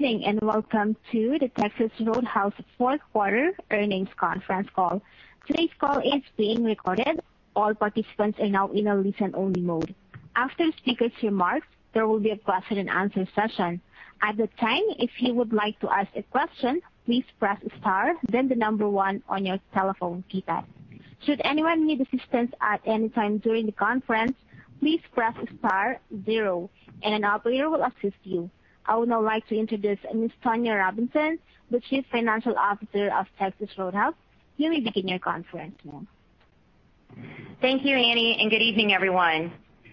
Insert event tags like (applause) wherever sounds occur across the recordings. Good evening, and welcome to the Texas Roadhouse fourth quarter earnings conference call. Today's call is being recorded. All participants are now in a listen-only mode. After the speaker's remarks, there will be a question and answer session. At that time, if you would like to ask a question, please press star, then the number one on your telephone keypad. Should anyone need assistance at any time during the conference, please press star zero, and an operator will assist you. I would now like to introduce Ms. Tonya Robinson, the Chief Financial Officer of Texas Roadhouse. You may begin your conference, ma'am. Thank you, Annie. Good evening, everyone.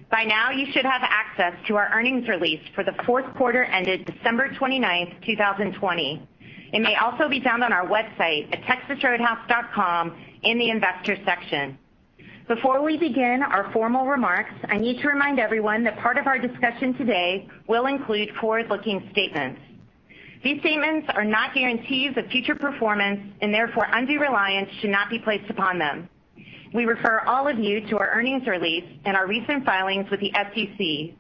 By now, you should have access to our earnings release for the fourth quarter ended December 29th, 2020. It may also be found on our website at texasroadhouse.com in the investor section. Before we begin our formal remarks, I need to remind everyone that part of our discussion today will include forward-looking statements. These statements are not guarantees of future performance, and therefore undue reliance should not be placed upon them. We refer all of you to our earnings release and our recent filings with the SEC.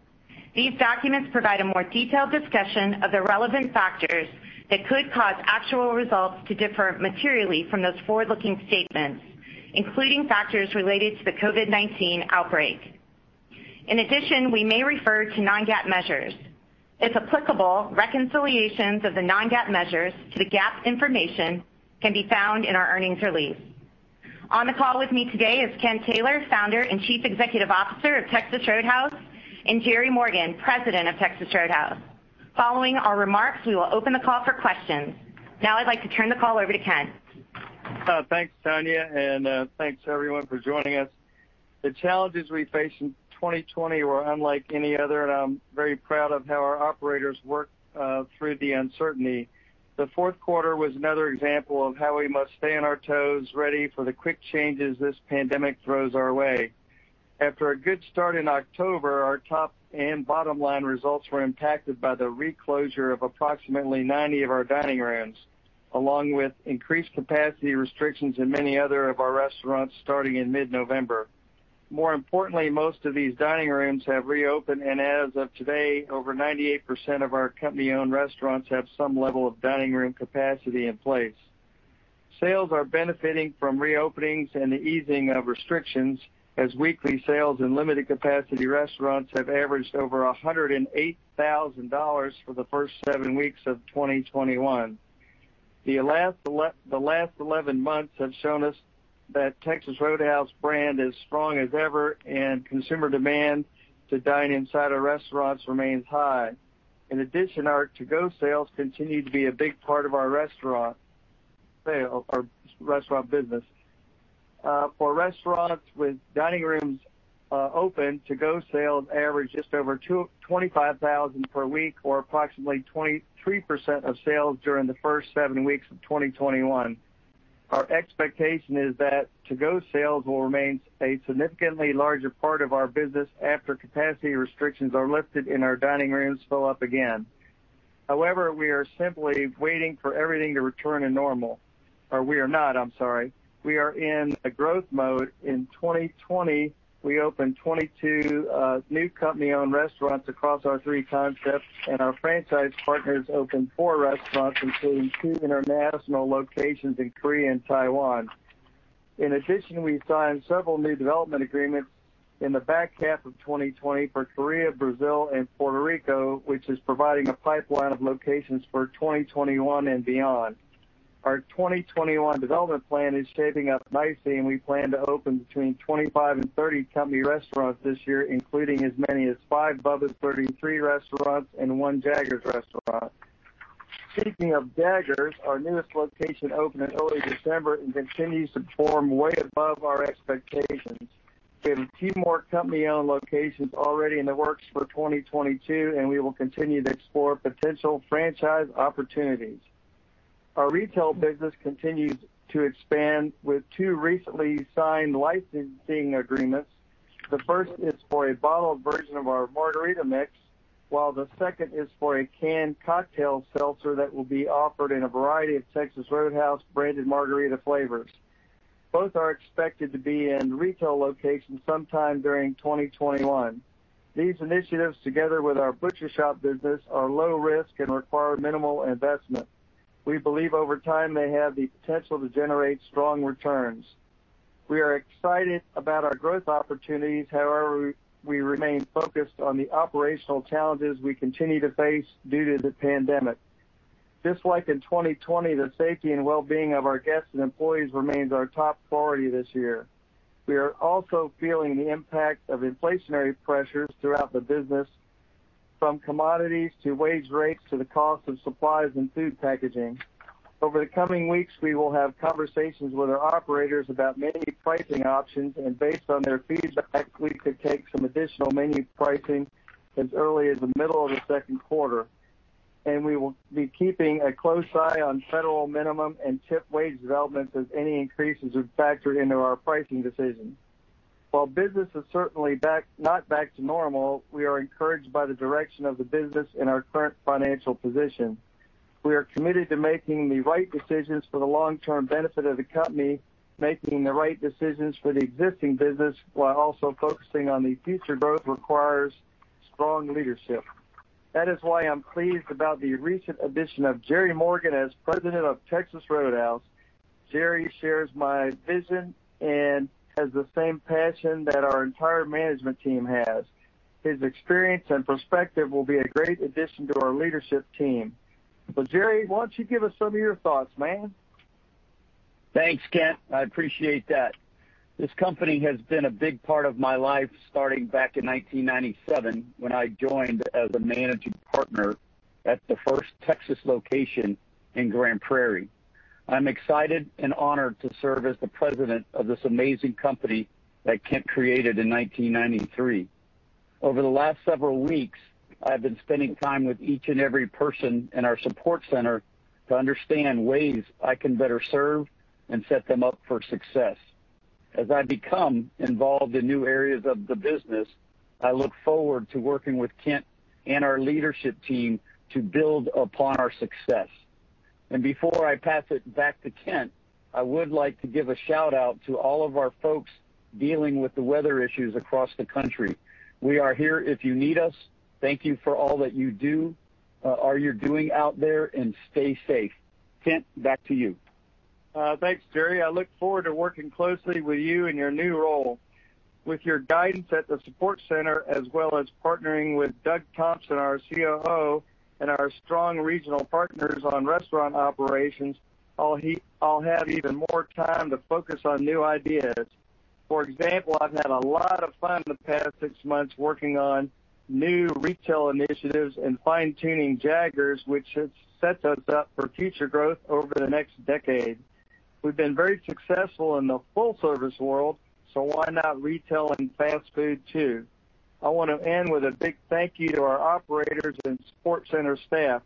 These documents provide a more detailed discussion of the relevant factors that could cause actual results to differ materially from those forward-looking statements, including factors related to the COVID-19 outbreak. In addition, we may refer to non-GAAP measures. If applicable, reconciliations of the non-GAAP measures to the GAAP information can be found in our earnings release. On the call with me today is Kent Taylor, Founder and Chief Executive Officer of Texas Roadhouse, and Jerry Morgan, President of Texas Roadhouse. Following our remarks, we will open the call for questions. I'd like to turn the call over to Kent. Thanks, Tonya, and thanks, everyone, for joining us. The challenges we faced in 2020 were unlike any other, and I'm very proud of how our operators worked through the uncertainty. The fourth quarter was another example of how we must stay on our toes, ready for the quick changes this pandemic throws our way. After a good start in October, our top and bottom-line results were impacted by the reclosure of approximately 90 of our dining rooms, along with increased capacity restrictions in many other of our restaurants starting in mid-November. More importantly, most of these dining rooms have reopened, and as of today, over 98% of our company-owned restaurants have some level of dining room capacity in place. Sales are benefiting from reopenings and the easing of restrictions, as weekly sales in limited capacity restaurants have averaged over $108,000 for the first seven weeks of 2021. The last 11 months have shown us that Texas Roadhouse brand is strong as ever, and consumer demand to dine inside our restaurants remains high. In addition, our to-go sales continue to be a big part of our restaurant business. For restaurants with dining rooms open, to-go sales averaged just over $25,000 per week or approximately 23% of sales during the first seven weeks of 2021. Our expectation is that to-go sales will remain a significantly larger part of our business after capacity restrictions are lifted and our dining rooms fill up again. However, we are simply waiting for everything to return to normal. We are not. I'm sorry. We are in a growth mode. In 2020, we opened 22 new company-owned restaurants across our three concepts, and our franchise partners opened four restaurants, including two international locations in Korea and Taiwan. In addition, we signed several new development agreements in the back half of 2020 for Korea, Brazil, and Puerto Rico, which is providing a pipeline of locations for 2021 and beyond. Our 2021 development plan is shaping up nicely, and we plan to open between 25 and 30 company restaurants this year, including as many as five Bubba's 33 restaurants and one Jaggers restaurant. Speaking of Jaggers, our newest location opened in early December and continues to perform way above our expectations. We have two more company-owned locations already in the works for 2022, and we will continue to explore potential franchise opportunities. Our retail business continues to expand with two recently signed licensing agreements. The first is for a bottled version of our margarita mix, while the second is for a canned cocktail seltzer that will be offered in a variety of Texas Roadhouse branded margarita flavors. Both are expected to be in retail locations sometime during 2021. These initiatives, together with our butcher shop business, are low risk and require minimal investment. We believe over time they have the potential to generate strong returns. We are excited about our growth opportunities. However, we remain focused on the operational challenges we continue to face due to the pandemic. Just like in 2020, the safety and wellbeing of our guests and employees remains our top priority this year. We are also feeling the impact of inflationary pressures throughout the business, from commodities to wage rates to the cost of supplies and food packaging. Over the coming weeks, we will have conversations with our operators about menu pricing options, and based on their feedback, we could take some additional menu pricing as early as the middle of the second quarter. We will be keeping a close eye on federal minimum and tip wage developments, as any increases would factor into our pricing decision. While business is certainly not back to normal, we are encouraged by the direction of the business and our current financial position. We are committed to making the right decisions for the long-term benefit of the company, making the right decisions for the existing business, while also focusing on the future growth requires strong leadership. That is why I'm pleased about the recent addition of Jerry Morgan as President of Texas Roadhouse. Jerry shares my vision and has the same passion that our entire management team has. His experience and perspective will be a great addition to our leadership team. Jerry, why don't you give us some of your thoughts, man? Thanks, Kent. I appreciate that. This company has been a big part of my life, starting back in 1997 when I joined as a managing partner at the first Texas location in Grand Prairie. I'm excited and honored to serve as the president of this amazing company that Kent created in 1993. Over the last several weeks, I've been spending time with each and every person in our support center to understand ways I can better serve and set them up for success. As I become involved in new areas of the business, I look forward to working with Kent and our leadership team to build upon our success. Before I pass it back to Kent, I would like to give a shout-out to all of our folks dealing with the weather issues across the country. We are here if you need us. Thank you for all that you do, or you're doing out there, and stay safe. Kent, back to you. Thanks, Jerry. I look forward to working closely with you in your new role. With your guidance at the support center, as well as partnering with Doug Thompson, our COO, and our strong regional partners on restaurant operations, I'll have even more time to focus on new ideas. For example, I've had a lot of fun in the past six months working on new retail initiatives and fine-tuning Jaggers, which should set us up for future growth over the next decade. We've been very successful in the full-service world, so why not retail and fast food, too? I want to end with a big thank you to our operators and support center staff.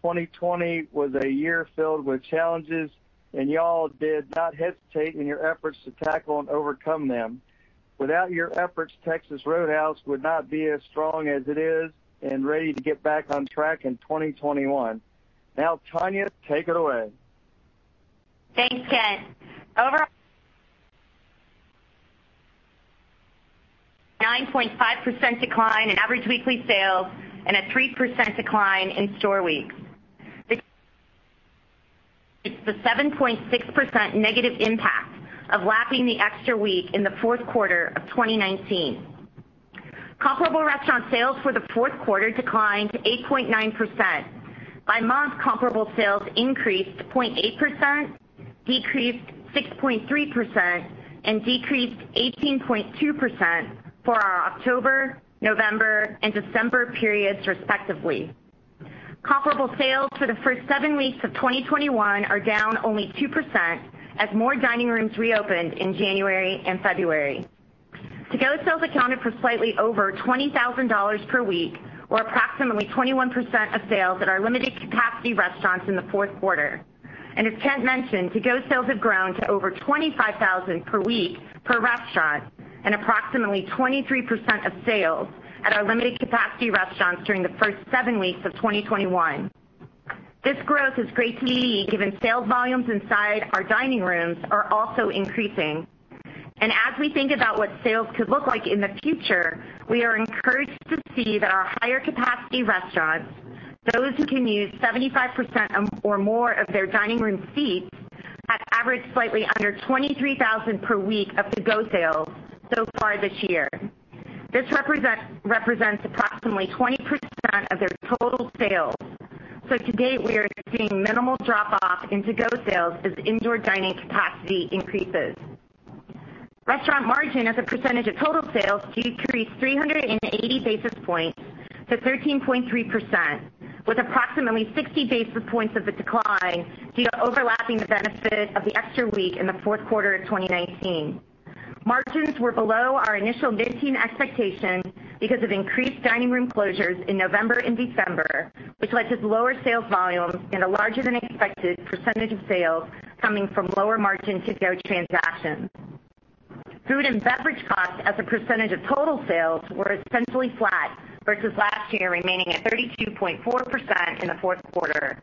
2020 was a year filled with challenges, and y'all did not hesitate in your efforts to tackle and overcome them. Without your efforts, Texas Roadhouse would not be as strong as it is and ready to get back on track in 2021. Now, Tonya, take it away. Thanks, Kent. Overall, 9.5% decline in average weekly sales and a 3% decline in store weeks. It's the 7.6% negative impact of lapping the extra week in the fourth quarter of 2019. Comparable restaurant sales for the fourth quarter declined to 8.9%. By month, comparable sales increased to 0.8%, decreased 6.3%, and decreased 18.2% for our October, November, and December periods, respectively. Comparable sales for the first seven weeks of 2021 are down only 2% as more dining rooms reopened in January and February. To-go sales accounted for slightly over $20,000 per week, or approximately 21% of sales at our limited capacity restaurants in the fourth quarter. As Kent mentioned, to-go sales have grown to over $25,000 per week per restaurant and approximately 23% of sales at our limited capacity restaurants during the first seven weeks of 2021. This growth is great to me, given sales volumes inside our dining rooms are also increasing. As we think about what sales could look like in the future, we are encouraged to see that our higher capacity restaurants, those who can use 75% or more of their dining room seats, have averaged slightly under 23,000 per week of to-go sales so far this year. This represents approximately 20% of their total sales. To date, we are seeing minimal drop off in to-go sales as indoor dining capacity increases. Restaurant margin as a percentage of total sales decreased 380 basis points to 13.3%, with approximately 60 basis points of the decline due to overlapping the benefit of the extra week in the fourth quarter of 2019. Margins were below our initial mid-teen expectation because of increased dining room closures in November and December, which led to lower sales volumes and a larger than expected percentage of sales coming from lower margin to-go transactions. Food and beverage costs as a percentage of total sales were essentially flat versus last year, remaining at 32.4% in the fourth quarter.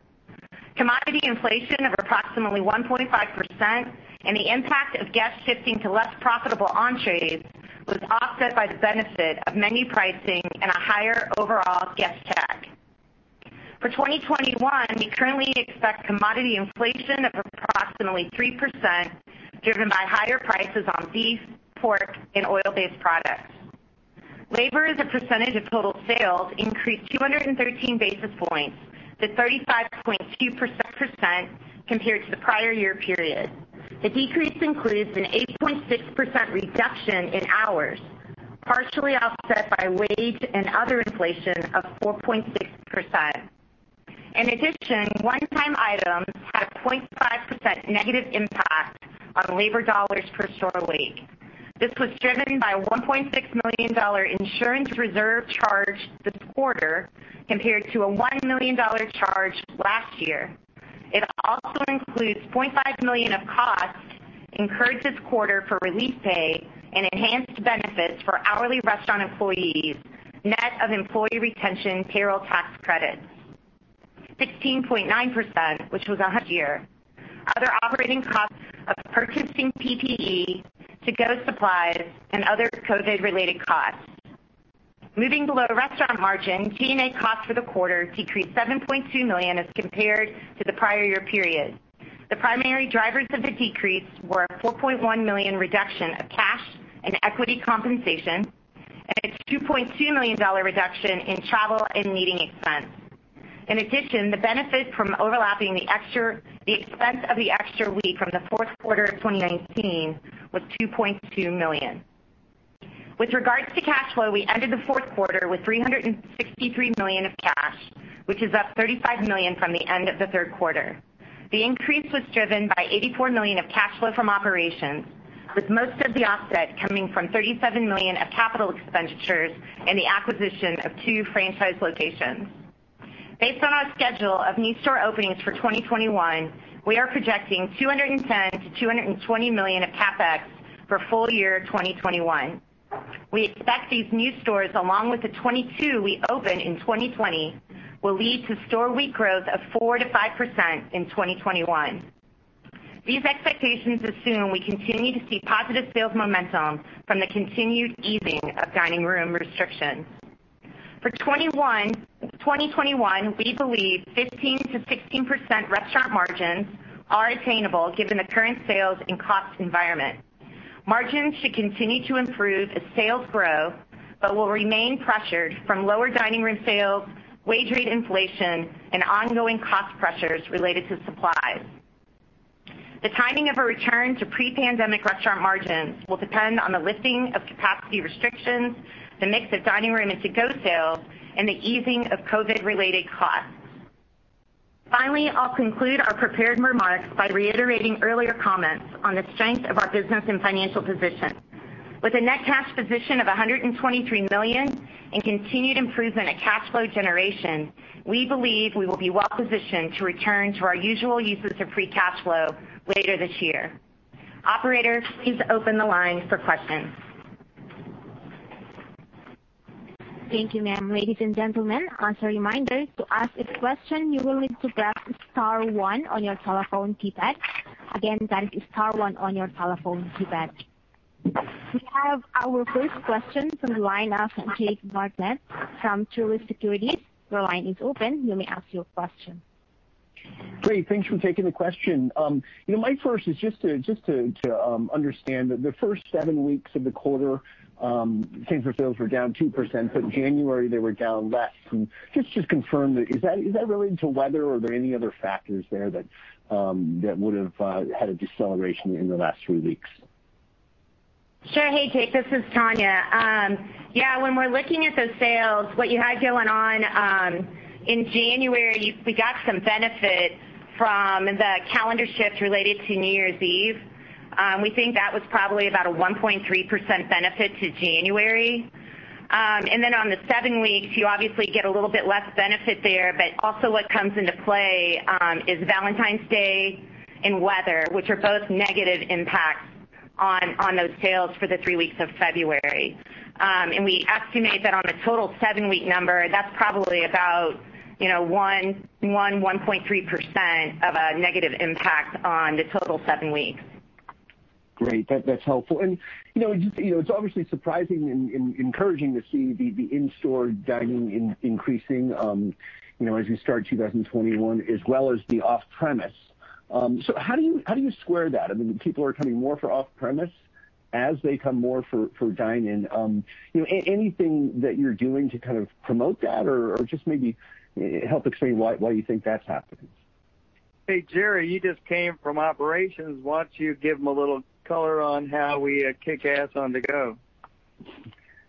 Commodity inflation of approximately 1.5% and the impact of guests shifting to less profitable entrees was offset by the benefit of menu pricing and a higher overall guest tag. For 2021, we currently expect commodity inflation of approximately 3%, driven by higher prices on beef, pork, and oil-based products. Labor as a percentage of total sales increased 213 basis points to 35.2% compared to the prior year period. The decrease includes an 8.6% reduction in hours, partially offset by wage and other inflation of 4.6%. One-time items had a 0.5% negative impact on labor dollars per store week. This was driven by a $1.6 million insurance reserve charge this quarter compared to a $1 million charge last year. It also includes $0.5 million of costs incurred this quarter for relief pay and enhanced benefits for hourly restaurant employees, net of employee retention payroll tax credits. 16.9%, which was a year. Other operating costs of purchasing PPE, to-go supplies, and other COVID related costs. Moving below restaurant margin, G&A costs for the quarter decreased $7.2 million as compared to the prior year period. The primary drivers of the decrease were a $4.1 million reduction of cash and equity compensation and a $2.2 million reduction in travel and meeting expense. The benefit from overlapping the expense of the extra week from the fourth quarter of 2019 was $2.2 million. With regards to cash flow, we ended the fourth quarter with $363 million of cash, which is up $35 million from the end of the third quarter. The increase was driven by $84 million of cash flow from operations, with most of the offset coming from $37 million of capital expenditures and the acquisition of two franchise locations. Based on our schedule of new store openings for 2021, we are projecting $210 million-$220 million of CapEx for full year 2021. We expect these new stores, along with the 22 we opened in 2020, will lead to store week growth of 4%-5% in 2021. These expectations assume we continue to see positive sales momentum from the continued easing of dining room restrictions. For 2021, we believe 15%-16% restaurant margins are attainable given the current sales and cost environment. Margins should continue to improve as sales grow, but will remain pressured from lower dining room sales, wage rate inflation, and ongoing cost pressures related to supplies. The timing of a return to pre-pandemic restaurant margins will depend on the lifting of capacity restrictions, the mix of dining room and to-go sales, and the easing of COVID-related costs. Finally, I'll conclude our prepared remarks by reiterating earlier comments on the strength of our business and financial position. With a net cash position of $123 million and continued improvement of cash flow generation, we believe we will be well positioned to return to our usual uses of free cash flow later this year. Operator, please open the line for questions. Thank you, ma'am. Ladies and gentlemen, as a reminder, to ask a question, you will need to press star one on your telephone keypad. Again, that is star one on your telephone keypad. We have our first question from the line of Jake Bartlett from Truist Securities. Your line is open. You may ask your question. Great. Thanks for taking the question. My first is just to understand, the first seven weeks of the quarter, same store sales were down 2%, in January they were down less. Can you just confirm, is that related to weather, or are there any other factors there that would have had a deceleration in the last three weeks? Sure. Hey, Jake. This is Tonya. Yeah. When we're looking at those sales, what you had going on in January, we got some benefit from the calendar shift related to New Year's Eve. We think that was probably about a 1.3% benefit to January. On the seven weeks, you obviously get a little bit less benefit there. Also what comes into play is Valentine's Day and weather, which are both negative impacts on those sales for the three weeks of February. We estimate that on a total seven week number, that's probably about 1%-1.3% of a negative impact on the total seven weeks. Great. That's helpful. It's obviously surprising and encouraging to see the in-store dining increasing as we start 2021, as well as the off-premise. How do you square that? People are coming more for off-premise as they come more for dine-in. Anything that you're doing to kind of promote that, or just maybe help explain why you think that's happening. Hey, Jerry, you just came from operations. Why don't you give him a little color on how we kick ass on to-go?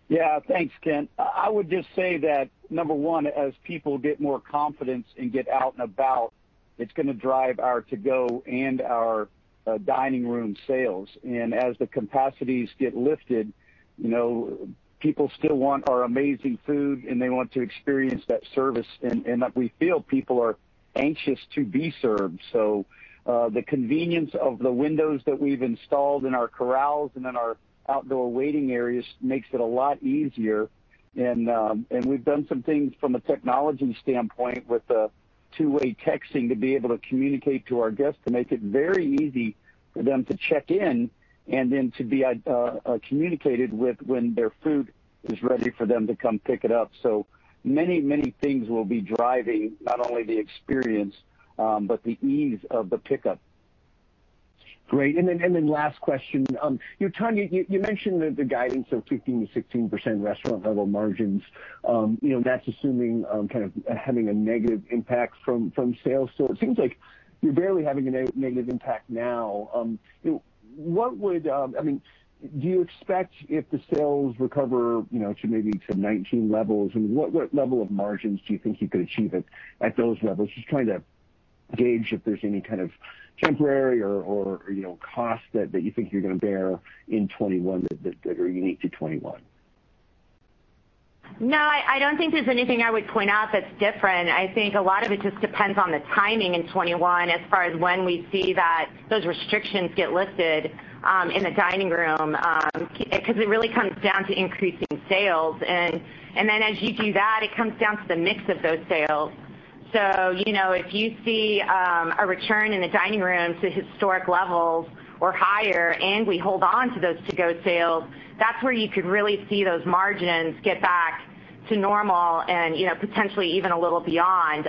Yeah. Thanks, Kent. I would just say that, number one, as people get more confidence and get out and about, it's going to drive our to-go and our dining room sales. As the capacities get lifted, people still want our amazing food, and they want to experience that service, and we feel people are anxious to be served. The convenience of the windows that we've installed in our corrals and in our outdoor waiting areas makes it a lot easier. We've done some things from a technology standpoint with the two-way texting to be able to communicate to our guests to make it very easy for them to check in and then to be communicated with when their food is ready for them to come pick it up. Many things will be driving not only the experience but the ease of the pickup. Great. Last question. Tonya, you mentioned the guidance of 15%-16% restaurant level margins. That's assuming kind of having a negative impact from sales. It seems like you're barely having a negative impact now. Do you expect if the sales recover to maybe to 2019 levels, what level of margins do you think you could achieve at those levels? Just trying to gauge if there's any kind of temporary or cost that you think you're going to bear in 2021 that are unique to 2021. No, I don't think there's anything I would point out that's different. I think a lot of it just depends on the timing in 2021 as far as when we see that those restrictions get lifted in the dining room, because it really comes down to increasing sales. As you do that, it comes down to the mix of those sales. If you see a return in the dining room to historic levels or higher, and we hold on to those to-go sales, that's where you could really see those margins get back to normal and potentially even a little beyond.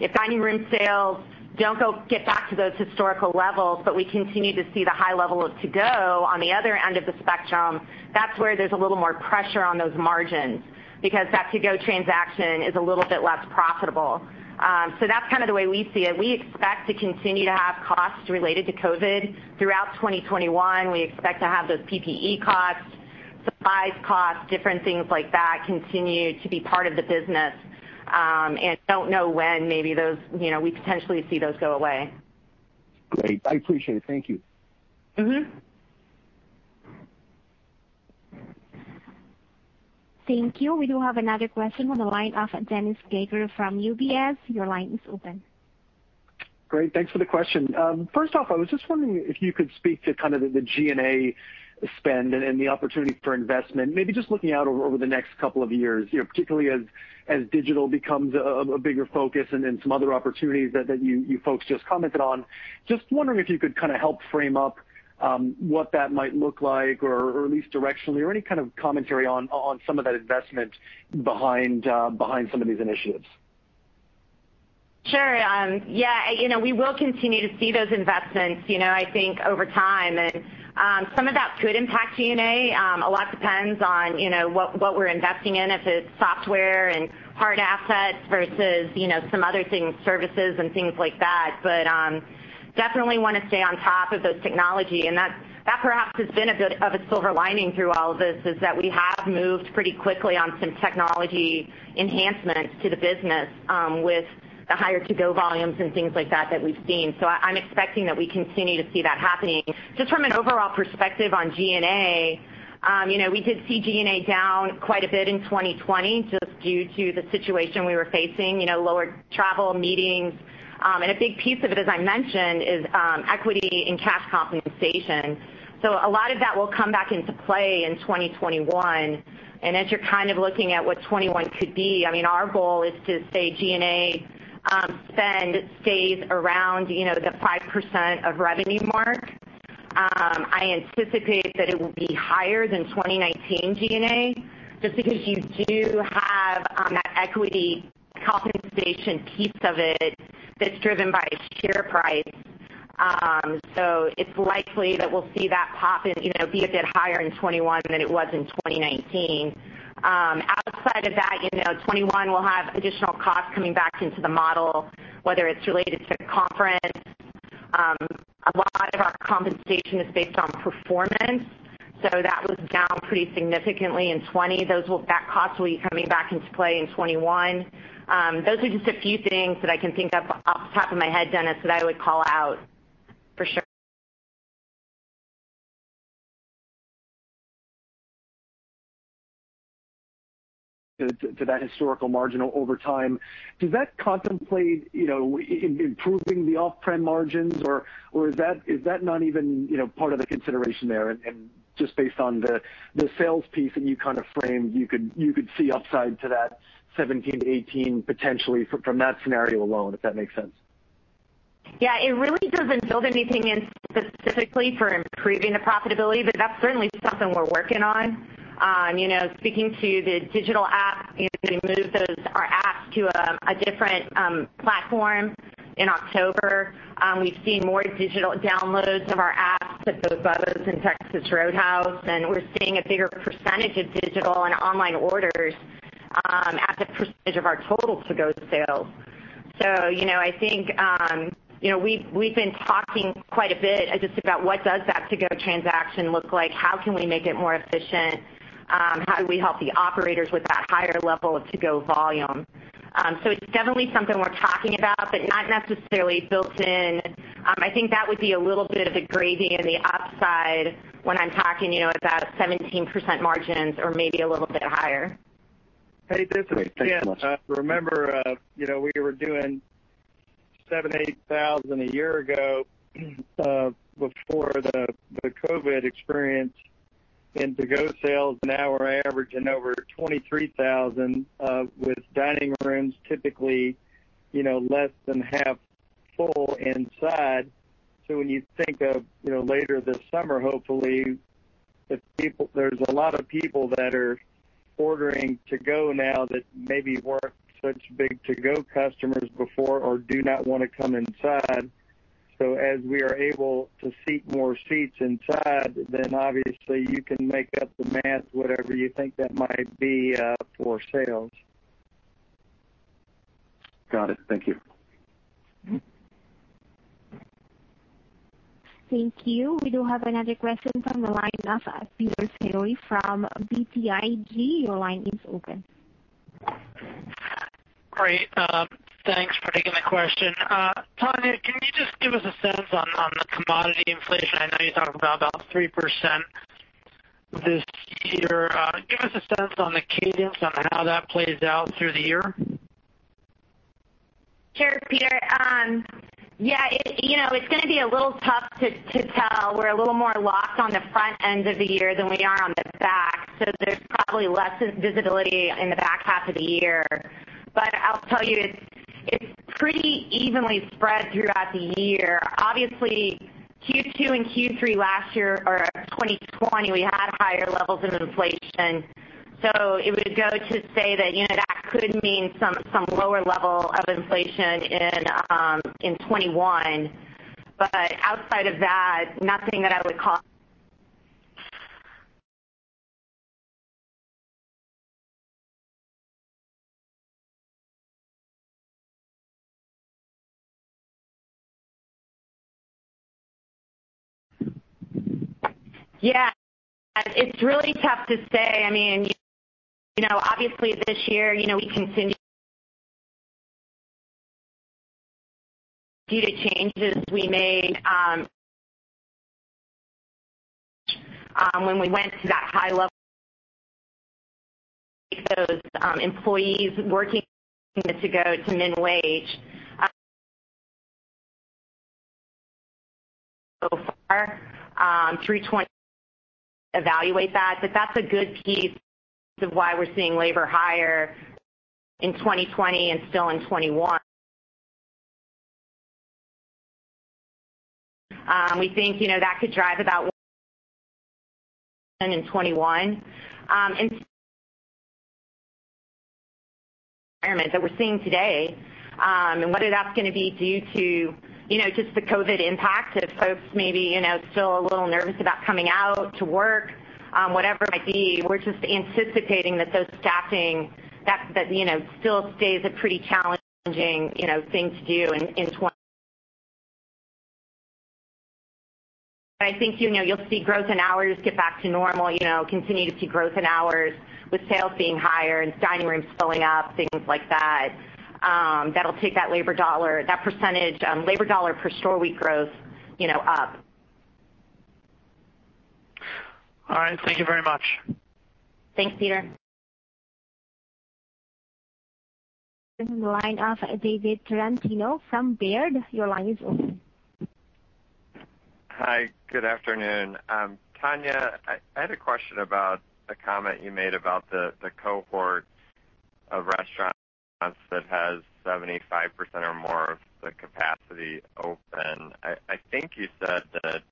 If dining-room sales don't get back to those historical levels, but we continue to see the high level of to-go on the other end of the spectrum, that's where there's a little more pressure on those margins, because that to-go transaction is a little bit less profitable. That's kind of the way we see it. We expect to continue to have costs related to COVID throughout 2021. We expect to have those PPE costs, supplies costs, different things like that continue to be part of the business. Don't know when maybe we potentially see those go away. Great. I appreciate it. Thank you. Thank you. We do have another question on the line. Dennis Geiger from UBS, your line is open. Great. Thanks for the question. First off, I was just wondering if you could speak to kind of the G&A spend and the opportunity for investment, maybe just looking out over the next couple of years, particularly as digital becomes a bigger focus and some other opportunities that you folks just commented on. Just wondering if you could kind of help frame up what that might look like, or at least directionally, or any kind of commentary on some of that investment behind some of these initiatives. Sure. We will continue to see those investments, I think, over time. Some of that could impact G&A. A lot depends on what we're investing in, if it's software and hard assets versus some other things, services and things like that. Definitely want to stay on top of those technology, and that perhaps has been a bit of a silver lining through all of this, is that we have moved pretty quickly on some technology enhancements to the business with the higher to-go volumes and things like that we've seen. I'm expecting that we continue to see that happening. Just from an overall perspective on G&A, we did see G&A down quite a bit in 2020, just due to the situation we were facing, lower travel, meetings. A big piece of it, as I mentioned, is equity and cash compensation. A lot of that will come back into play in 2021. As you're kind of looking at what 2021 could be, our goal is to say G&A spend stays around the 5% of revenue mark. I anticipate that it will be higher than 2019 G&A, just because you do have that equity compensation piece of it that's driven by share price. It's likely that we'll see that be a bit higher in 2021 than it was in 2019. Outside of that, 2021 will have additional costs coming back into the model, whether it's related to conference. A lot of our compensation is based on performance, that was down pretty significantly in 2020. That cost will be coming back into play in 2021. Those are just a few things that I can think of off the top of my head, Dennis, that I would call out for sure. To that historical margin over time. Does that contemplate improving the off-trend margins, or is that not even part of the consideration there? Just based on the sales piece that you kind of framed, you could see upside to that 17%-18% potentially from that scenario alone, if that makes sense. Yeah, it really doesn't build anything in specifically for improving the profitability, but that's certainly something we're working on. Speaking to the digital app, we moved our app to a different platform in October. We've seen more digital downloads of our apps at both Bubba's and Texas Roadhouse, and we're seeing a bigger percentage of digital and online orders as a percentage of our total to-go sales. I think we've been talking quite a bit just about what does that to-go transaction look like? How can we make it more efficient? How do we help the operators with that higher level of to-go volume? It's definitely something we're talking about, but not necessarily built in. I think that would be a little bit of the gravy and the upside when I'm talking about 17% margins or maybe a little bit higher. Great. Thanks so much. Hey, this is Kent. Remember, we were doing $7,000-$8,000 a year ago before the COVID experience in to-go sales. Now we're averaging over $23,000 with dining rooms typically less than half full inside. When you think of later this summer, hopefully, there's a lot of people that are ordering to go now that maybe weren't such big to-go customers before or do not want to come inside. As we are able to seat more seats inside, obviously you can make up the math, whatever you think that might be for sales. Got it. Thank you. Thank you. We do have another question from the line of Peter Saleh from BTIG. Your line is open. Great. Thanks for taking the question. Tonya, can you just give us a sense on the commodity inflation? I know you talked about 3% this year. Give us a sense on the cadence on how that plays out through the year. Sure, Peter. It's going to be a little tough to tell. We're a little more locked on the front end of the year than we are on the back, there's probably less visibility in the back half of the year. I'll tell you, it's pretty evenly spread throughout the year. Obviously, Q2 and Q3 last year, or 2020, we had higher levels of inflation. It would go to say that could mean some lower level of inflation in 2021. Outside of that, nothing that I would call. It's really tough to say. Obviously, this year, we (inaudible) changes we made when we went to that high level those employees working to go to min wage so far through evaluate that. That's a good piece of why we're seeing labor higher in 2020 and still in 2021. We think that could drive about in 2021. Environment that we're seeing today, and whether that's going to be due to just the COVID impact of folks maybe still a little nervous about coming out to work, whatever it might be, we're just anticipating that those staffing that still stays a pretty challenging thing to do in. I think you'll see growth in hours get back to normal, continue to see growth in hours with sales being higher and dining rooms filling up, things like that. That'll take that labor dollar, that percentage labor dollar per store week growth up. All right. Thank you very much. Thanks, Peter. Next, the line of David Tarantino from Baird. Your line is open. Hi, good afternoon. Tonya, I had a question about a comment you made about the cohort of restaurants that has 75% or more of the capacity open. I think you said that,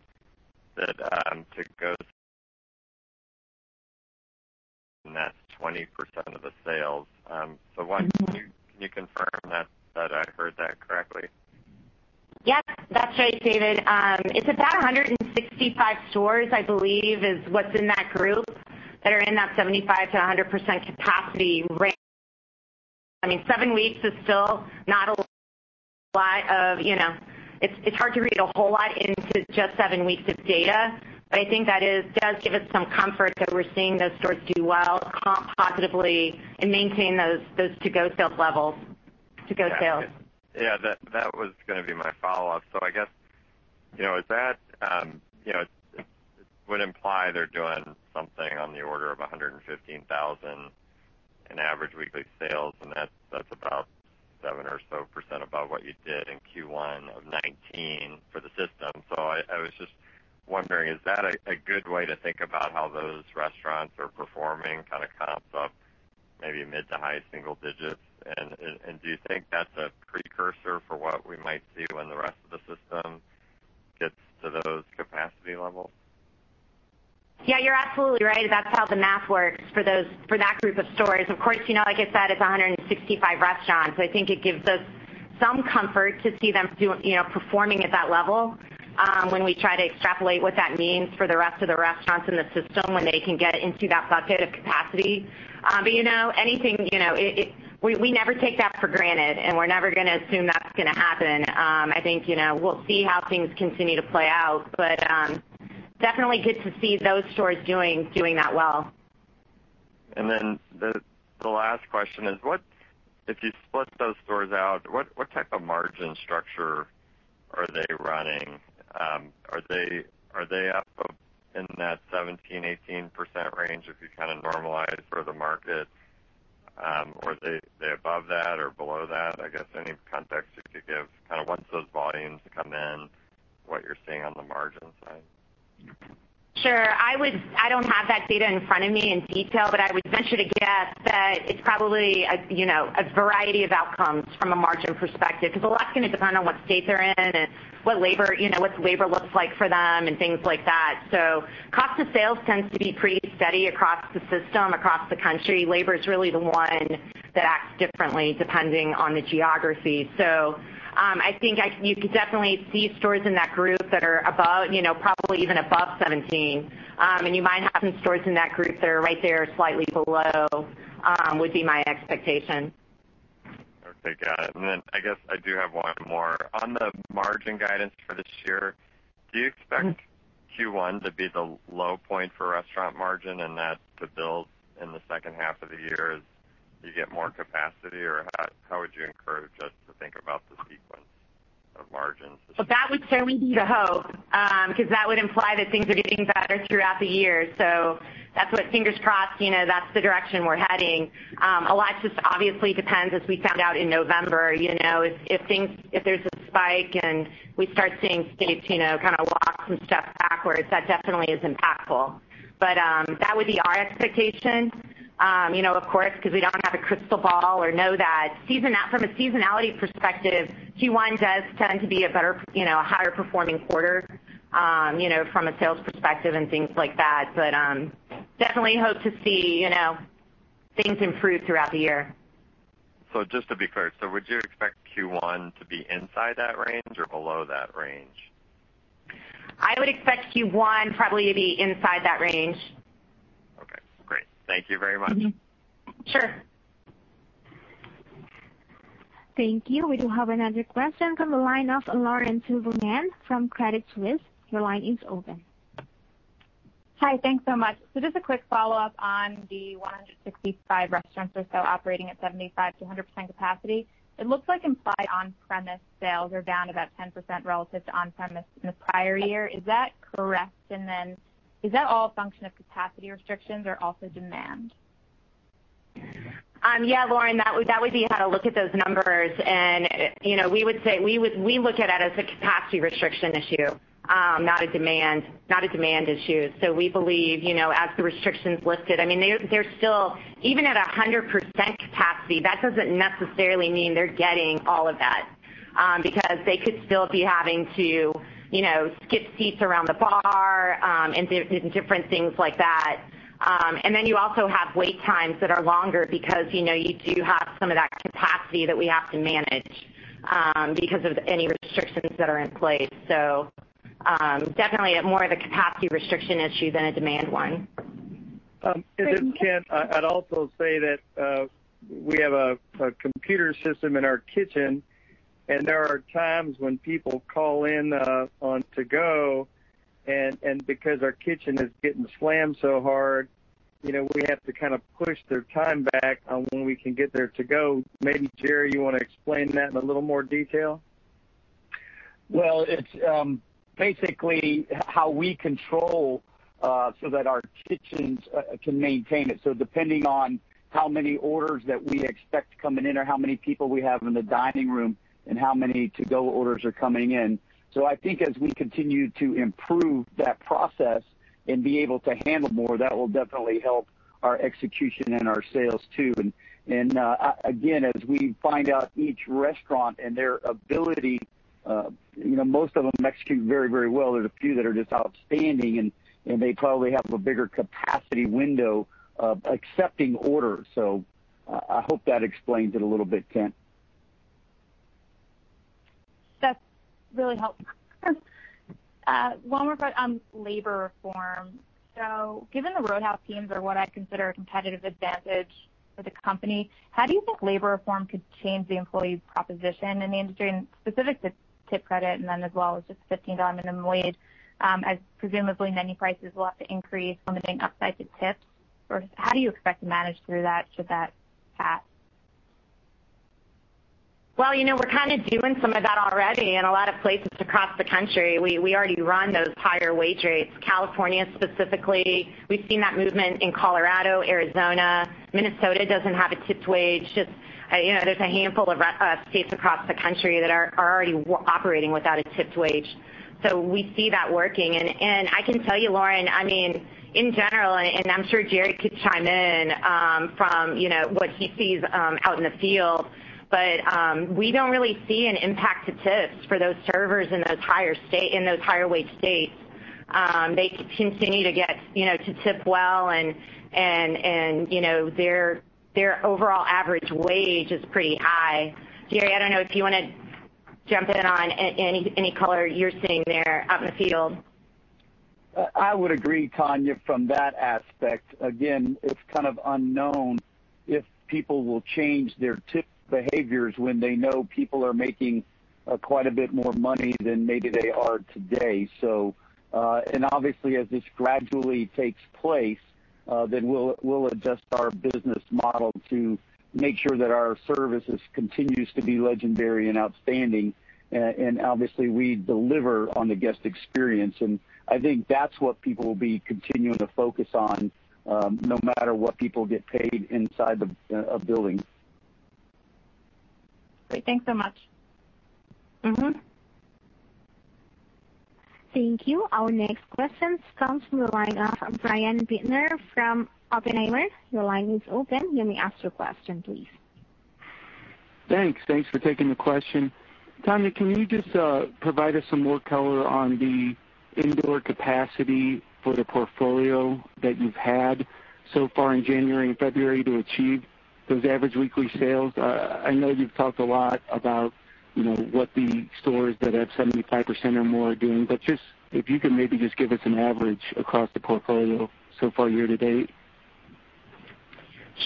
to go and that's 20% of the sales. One, can you confirm that I heard that correctly? Yeah. That's right, David. It's about 165 stores, I believe is what's in that group that are in that 75%-100% capacity. Seven weeks is still not a lot of, it's hard to read a whole lot into just seven weeks of data. I think that does give us some comfort that we're seeing those stores do well positively and maintain those to-go sales levels, to-go sales. Yeah, that was going to be my follow-up. I guess, that would imply they're doing something on the order of $115,000 in average weekly sales, that's about seven or so percent above what you did in Q1 of 2019 for the system. I was just wondering, is that a good way to think about how those restaurants are performing, kind of comps up maybe mid to high single digits. Do you think that's a precursor for what we might see when the rest of the system gets to those capacity levels? Yeah, you're absolutely right. That's how the math works for that group of stores. Of course, like I said, it's 165 restaurants, I think it gives us some comfort to see them performing at that level, when we try to extrapolate what that means for the rest of the restaurants in the system when they can get into that bucket of capacity. We never take that for granted, and we're never going to assume that's going to happen. I think, we'll see how things continue to play out. Definitely good to see those stores doing that well. The last question is, if you split those stores out, what type of margin structure are they running? Are they up in that 17%-18% range if you normalize for the market? Are they above that or below that? I guess any context you could give, once those volumes come in, what you're seeing on the margin side. Sure. I don't have that data in front of me in detail, but I would venture to guess that it's probably a variety of outcomes from a margin perspective, because a lot's going to depend on what state they're in and what the labor looks like for them and things like that. Cost of sales tends to be pretty steady across the system, across the country. Labor is really the one that acts differently depending on the geography. I think you could definitely see stores in that group that are above, probably even above 17%. You might have some stores in that group that are right there, slightly below, would be my expectation. Okay, got it. I guess I do have one more. On the margin guidance for this year, do you expect Q1 to be the low point for restaurant margin and that to build in the second half of the year as you get more capacity, or how would you encourage us to think about the sequence of margins this year? Well, that would certainly be the hope, because that would imply that things are getting better throughout the year. That's what, fingers crossed, that's the direction we're heading. A lot just obviously depends, as we found out in November. If there's a spike and we start seeing states kind of walk some stuff backwards, that definitely is impactful. That would be our expectation. Of course, because we don't have a crystal ball or know that. From a seasonality perspective, Q1 does tend to be a better, a higher performing quarter from a sales perspective and things like that. Definitely hope to see things improve throughout the year. Just to be clear, so would you expect Q1 to be inside that range or below that range? I would expect Q1 probably to be inside that range. Okay, great. Thank you very much. Sure. Thank you. We do have another question from the line of Lauren Silberman from Credit Suisse. Your line is open. Hi, thanks so much. Just a quick follow-up on the 165 restaurants or so operating at 75%-100% capacity. It looks like implied on-premise sales are down about 10% relative to on-premise in the prior year. Is that correct? Is that all a function of capacity restrictions or also demand? Lauren, that would be how to look at those numbers. We look at that as a capacity restriction issue, not a demand issue. We believe, as the restrictions lifted, they're still, even at 100% capacity, that doesn't necessarily mean they're getting all of that. Because they could still be having to skip seats around the bar, and different things like that. Then you also have wait times that are longer because you do have some of that capacity that we have to manage because of any restrictions that are in place. Definitely more of a capacity restriction issue than a demand one. Great. Kent, I'd also say that we have a computer system in our kitchen, and there are times when people call in on to-go, and because our kitchen is getting slammed so hard, we have to kind of push their time back on when we can get their to-go. Maybe, Jerry, you want to explain that in a little more detail? It's basically how we control so that our kitchens can maintain it. Depending on how many orders that we expect coming in or how many people we have in the dining room and how many to-go orders are coming in. I think as we continue to improve that process and be able to handle more, that will definitely help our execution and our sales, too. Again, as we find out each restaurant and their ability, most of them execute very, very well. There's a few that are just outstanding, and they probably have a bigger capacity window of accepting orders. I hope that explains it a little bit, Kent. That's really helpful. One more question on labor reform. Given the Roadhouse teams are what I consider a competitive advantage for the company, how do you think labor reform could change the employee proposition in the industry, and specific to tip credit and then as well as just $15 minimum wage? As presumably many prices will have to increase limiting upside to tips, or how do you expect to manage through that, should that pass? We're kind of doing some of that already in a lot of places across the country. We already run those higher wage rates, California specifically. We've seen that movement in Colorado, Arizona. Minnesota doesn't have a tipped wage. There's a handful of states across the country that are already operating without a tipped wage. We see that working. I can tell you, Lauren, in general, and I'm sure Jerry could chime in from what he sees out in the field, but we don't really see an impact to tips for those servers in those higher wage states. They continue to tip well, and their overall average wage is pretty high. Jerry, I don't know if you want to jump in on any color you're seeing there out in the field. I would agree, Tonya, from that aspect. It's kind of unknown if people will change their tip behaviors when they know people are making quite a bit more money than maybe they are today. Obviously as this gradually takes place, then we'll adjust our business model to make sure that our services continues to be legendary and outstanding. Obviously we deliver on the guest experience, and I think that's what people will be continuing to focus on, no matter what people get paid inside a building. Great. Thanks so much. Thank you. Our next question comes from the line of Brian Bittner from Oppenheimer. Your line is open. You may ask your question, please. Thanks. Thanks for taking the question. Tonya, can you just provide us some more color on the indoor capacity for the portfolio that you've had so far in January and February to achieve those average weekly sales? I know you've talked a lot about what the stores that have 75% or more are doing, but if you could maybe just give us an average across the portfolio so far year to date?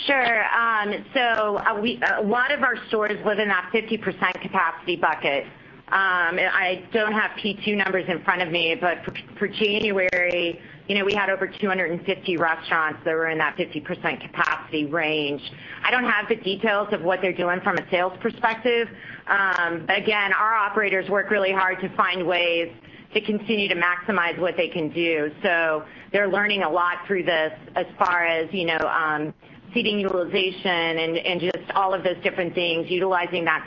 Sure. A lot of our stores was in that 50% capacity bucket. I don't have P2 numbers in front of me, but for January, we had over 250 restaurants that were in that 50% capacity range. I don't have the details of what they're doing from a sales perspective. Again, our operators work really hard to find ways to continue to maximize what they can do. They're learning a lot through this as far as seating utilization and just all of those different things, utilizing that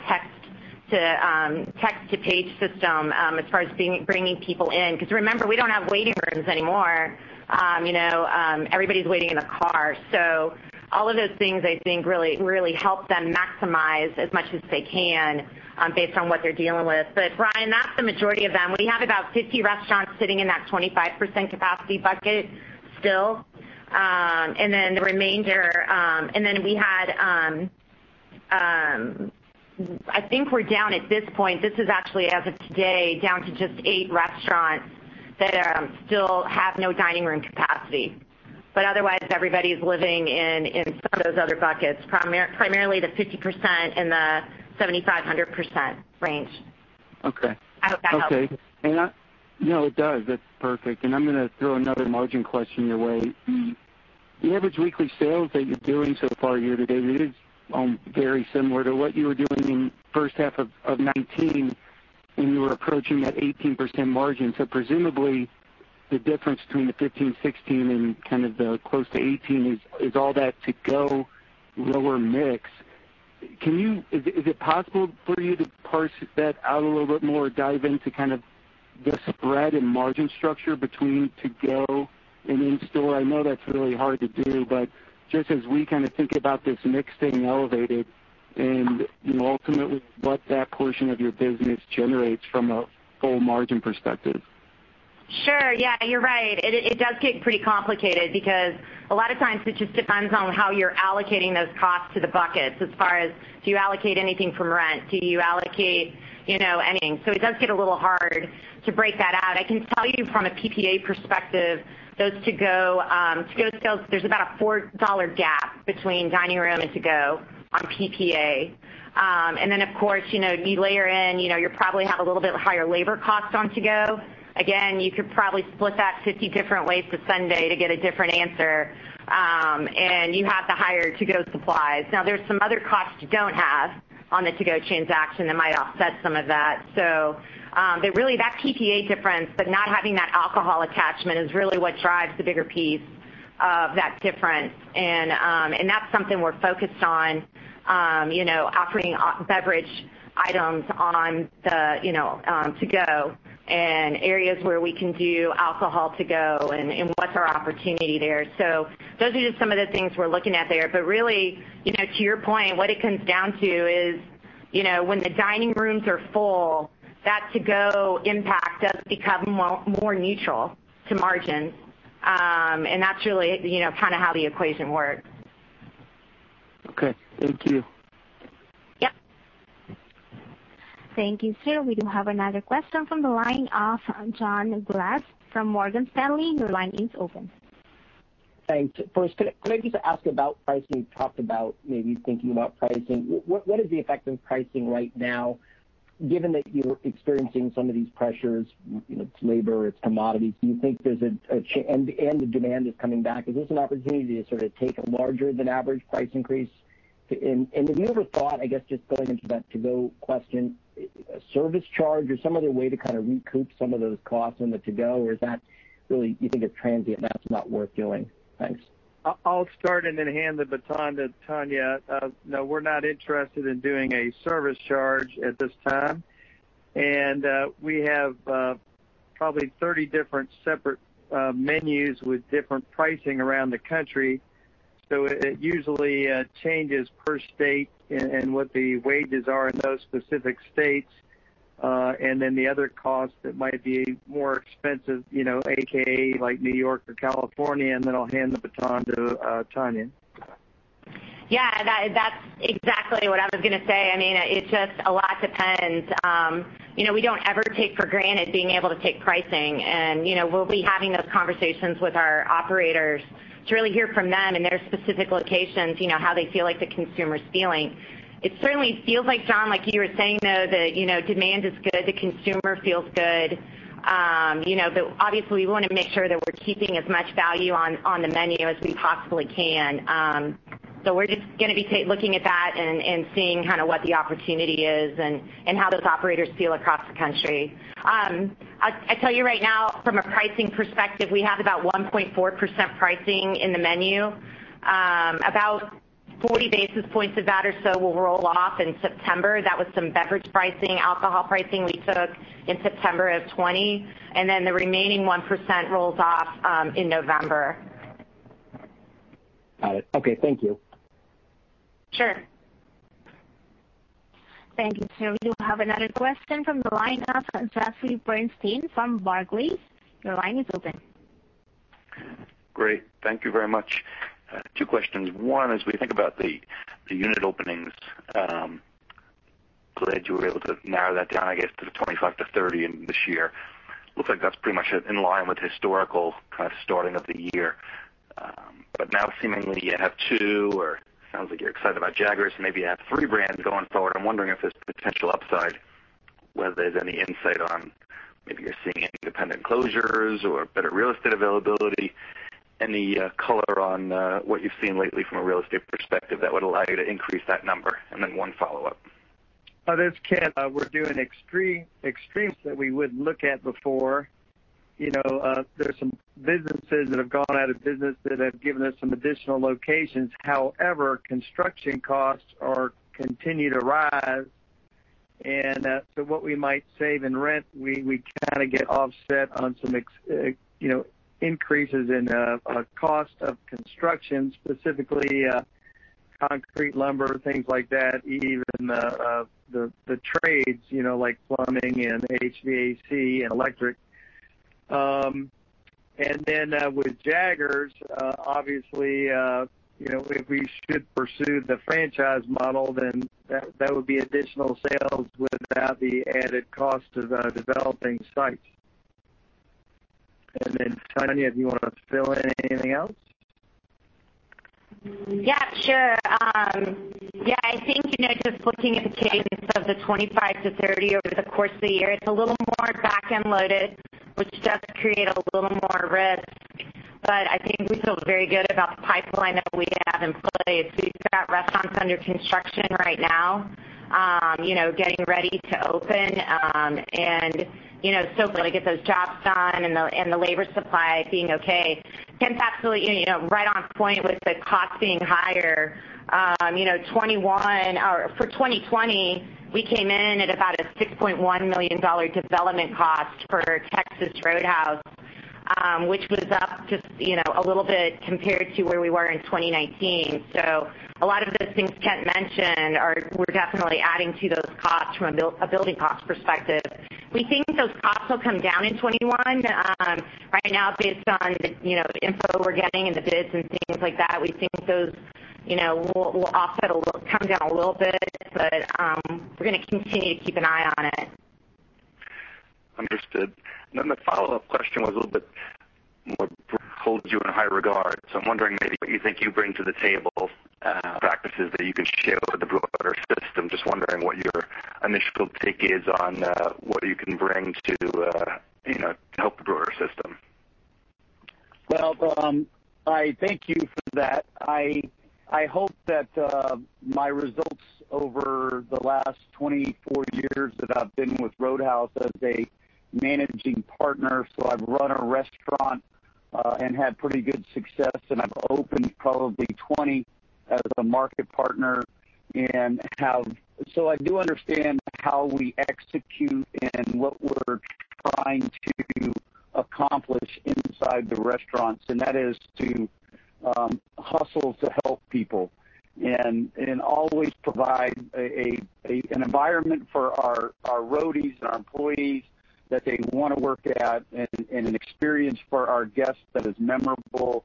text-to-page system as far as bringing people in, because remember, we don't have waiting rooms anymore. Everybody's waiting in a car. All of those things, I think, really help them maximize as much as they can based on what they're dealing with. Brian, that's the majority of them. We have about 50 restaurants sitting in that 25% capacity bucket still. I think we're down at this point, this is actually as of today, down to just eight restaurants that still have no dining room capacity. Otherwise, everybody's living in some of those other buckets, primarily the 50% and the 75-100% range. Okay. I hope that helps. Okay. No, it does. That's perfect. I'm going to throw another margin question your way. The average weekly sales that you're doing so far year to date is very similar to what you were doing in first half of 2019 when you were approaching that 18% margin. Presumably, the difference between the 15% and 16% and kind of the close to 18% is all that to-go lower mix. Is it possible for you to parse that out a little bit more, dive into kind of the spread and margin structure between to-go and in-store? I know that's really hard to do, but just as we kind of think about this mix staying elevated and ultimately what that portion of your business generates from a full margin perspective. Sure. Yeah, you're right. It does get pretty complicated because a lot of times it just depends on how you're allocating those costs to the buckets, as far as do you allocate anything from rent? Do you allocate anything? It does get a little hard to break that out. I can tell you from a PPA perspective, those to-go sales, there's about a $4 gap between dining room and to-go on PPA. Of course, you layer in, you probably have a little bit higher labor cost on to-go. Again, you could probably split that 50 different ways to Sunday to get a different answer. You have the higher to-go supplies. There's some other costs you don't have on the to-go transaction that might offset some of that. Really that PPA difference, but not having that alcohol attachment is really what drives the bigger piece of that difference. That's something we're focused on, offering beverage items on the to-go and areas where we can do alcohol to-go and what's our opportunity there. Those are just some of the things we're looking at there. Really, to your point, what it comes down to is when the dining rooms are full, that to-go impact does become more neutral to margins. That's really kind of how the equation works. Okay. Thank you. Yep. Thank you, sir. We do have another question from the line of John Glass from Morgan Stanley. Your line is open. Thanks. First, could I just ask about pricing? You talked about maybe thinking about pricing. What is the effect of pricing right now, given that you're experiencing some of these pressures, it's labor, it's commodities. Do you think there's a change, and the demand is coming back. Is this an opportunity to sort of take a larger than average price increase? Have you ever thought, I guess, just going into that to-go question, a service charge or some other way to kind of recoup some of those costs on the to-go, or is that really, you think it's transient and that's not worth doing? Thanks. I'll start and then hand the baton to Tonya. No, we're not interested in doing a service charge at this time. We have probably 30 different separate menus with different pricing around the country. It usually changes per state and what the wages are in those specific states. The other cost that might be more expensive, AKA like New York or California, and then I'll hand the baton to Tonya. Yeah, that's exactly what I was going to say. I mean, it just a lot depends. We don't ever take for granted being able to take pricing and we'll be having those conversations with our operators to really hear from them and their specific locations, how they feel like the consumer's feeling. It certainly feels like, John, like you were saying, though, that demand is good. The consumer feels good. Obviously we want to make sure that we're keeping as much value on the menu as we possibly can. We're just going to be looking at that and seeing kind of what the opportunity is and how those operators feel across the country. I tell you right now, from a pricing perspective, we have about 1.4% pricing in the menu. About 40 basis points of that or so will roll off in September. That was some beverage pricing, alcohol pricing we took in September of 2020, and then the remaining 1% rolls off in November. Got it. Okay. Thank you. Sure. Thank you, sir. We do have another question from the line of Jeffrey Bernstein from Barclays. Your line is open. Great. Thank you very much. Two questions. One, as we think about the unit openings. Glad you were able to narrow that down, I guess, to the 25-30 this year. Looks like that's pretty much in line with historical kind of starting of the year. Now seemingly you have two, or sounds like you're excited about Jaggers, maybe you have three brands going forward. I'm wondering if there's potential upside, whether there's any insight on maybe you're seeing any independent closures or better real estate availability. Any color on what you've seen lately from a real estate perspective that would allow you to increase that number? Then one follow-up. This is Kent. We're doing extremes that we wouldn't look at before. There's some businesses that have gone out of business that have given us some additional locations. However, construction costs continue to rise, so what we might save in rent, we kind of get offset on some increases in cost of construction, specifically concrete, lumber, things like that, even the trades like plumbing and HVAC and electric. With Jaggers, obviously, if we should pursue the franchise model, then that would be additional sales without the added cost of developing sites. Tonya, do you want to fill in anything else? Yeah, sure. I think just looking at the case of the 25-30 over the course of the year, it's a little more back-end loaded, which does create a little more risk. I think we feel very good about the pipeline that we have in place. We've got restaurants under construction right now, getting ready to open. Hopefully get those jobs done and the labor supply being okay. Kent's absolutely right on point with the cost being higher. For 2020, we came in at about a $6.1 million development cost for Texas Roadhouse, which was up just a little bit compared to where we were in 2019. A lot of those things Kent mentioned, we're definitely adding to those costs from a building cost perspective. We think those costs will come down in 2021. Right now, based on the info we're getting and the bids and things like that, we think those will come down a little bit, but we're going to continue to keep an eye on it. Understood. The follow-up question was a little bit more, hold you in high regard. I'm wondering maybe what you think you bring to the table, practices that you can share with the broader system. Just wondering what your initial take is on what you can bring to help the broader system. Well, I thank you for that. I hope that my results over the last 24 years that I've been with Roadhouse as a managing partner, I've run a restaurant and had pretty good success, and I've opened probably 20 as a market partner. I do understand how we execute and what we're trying to accomplish inside the restaurants, and that is to hustle to help people and always provide an environment for our roadies and our employees that they want to work at, and an experience for our guests that is memorable,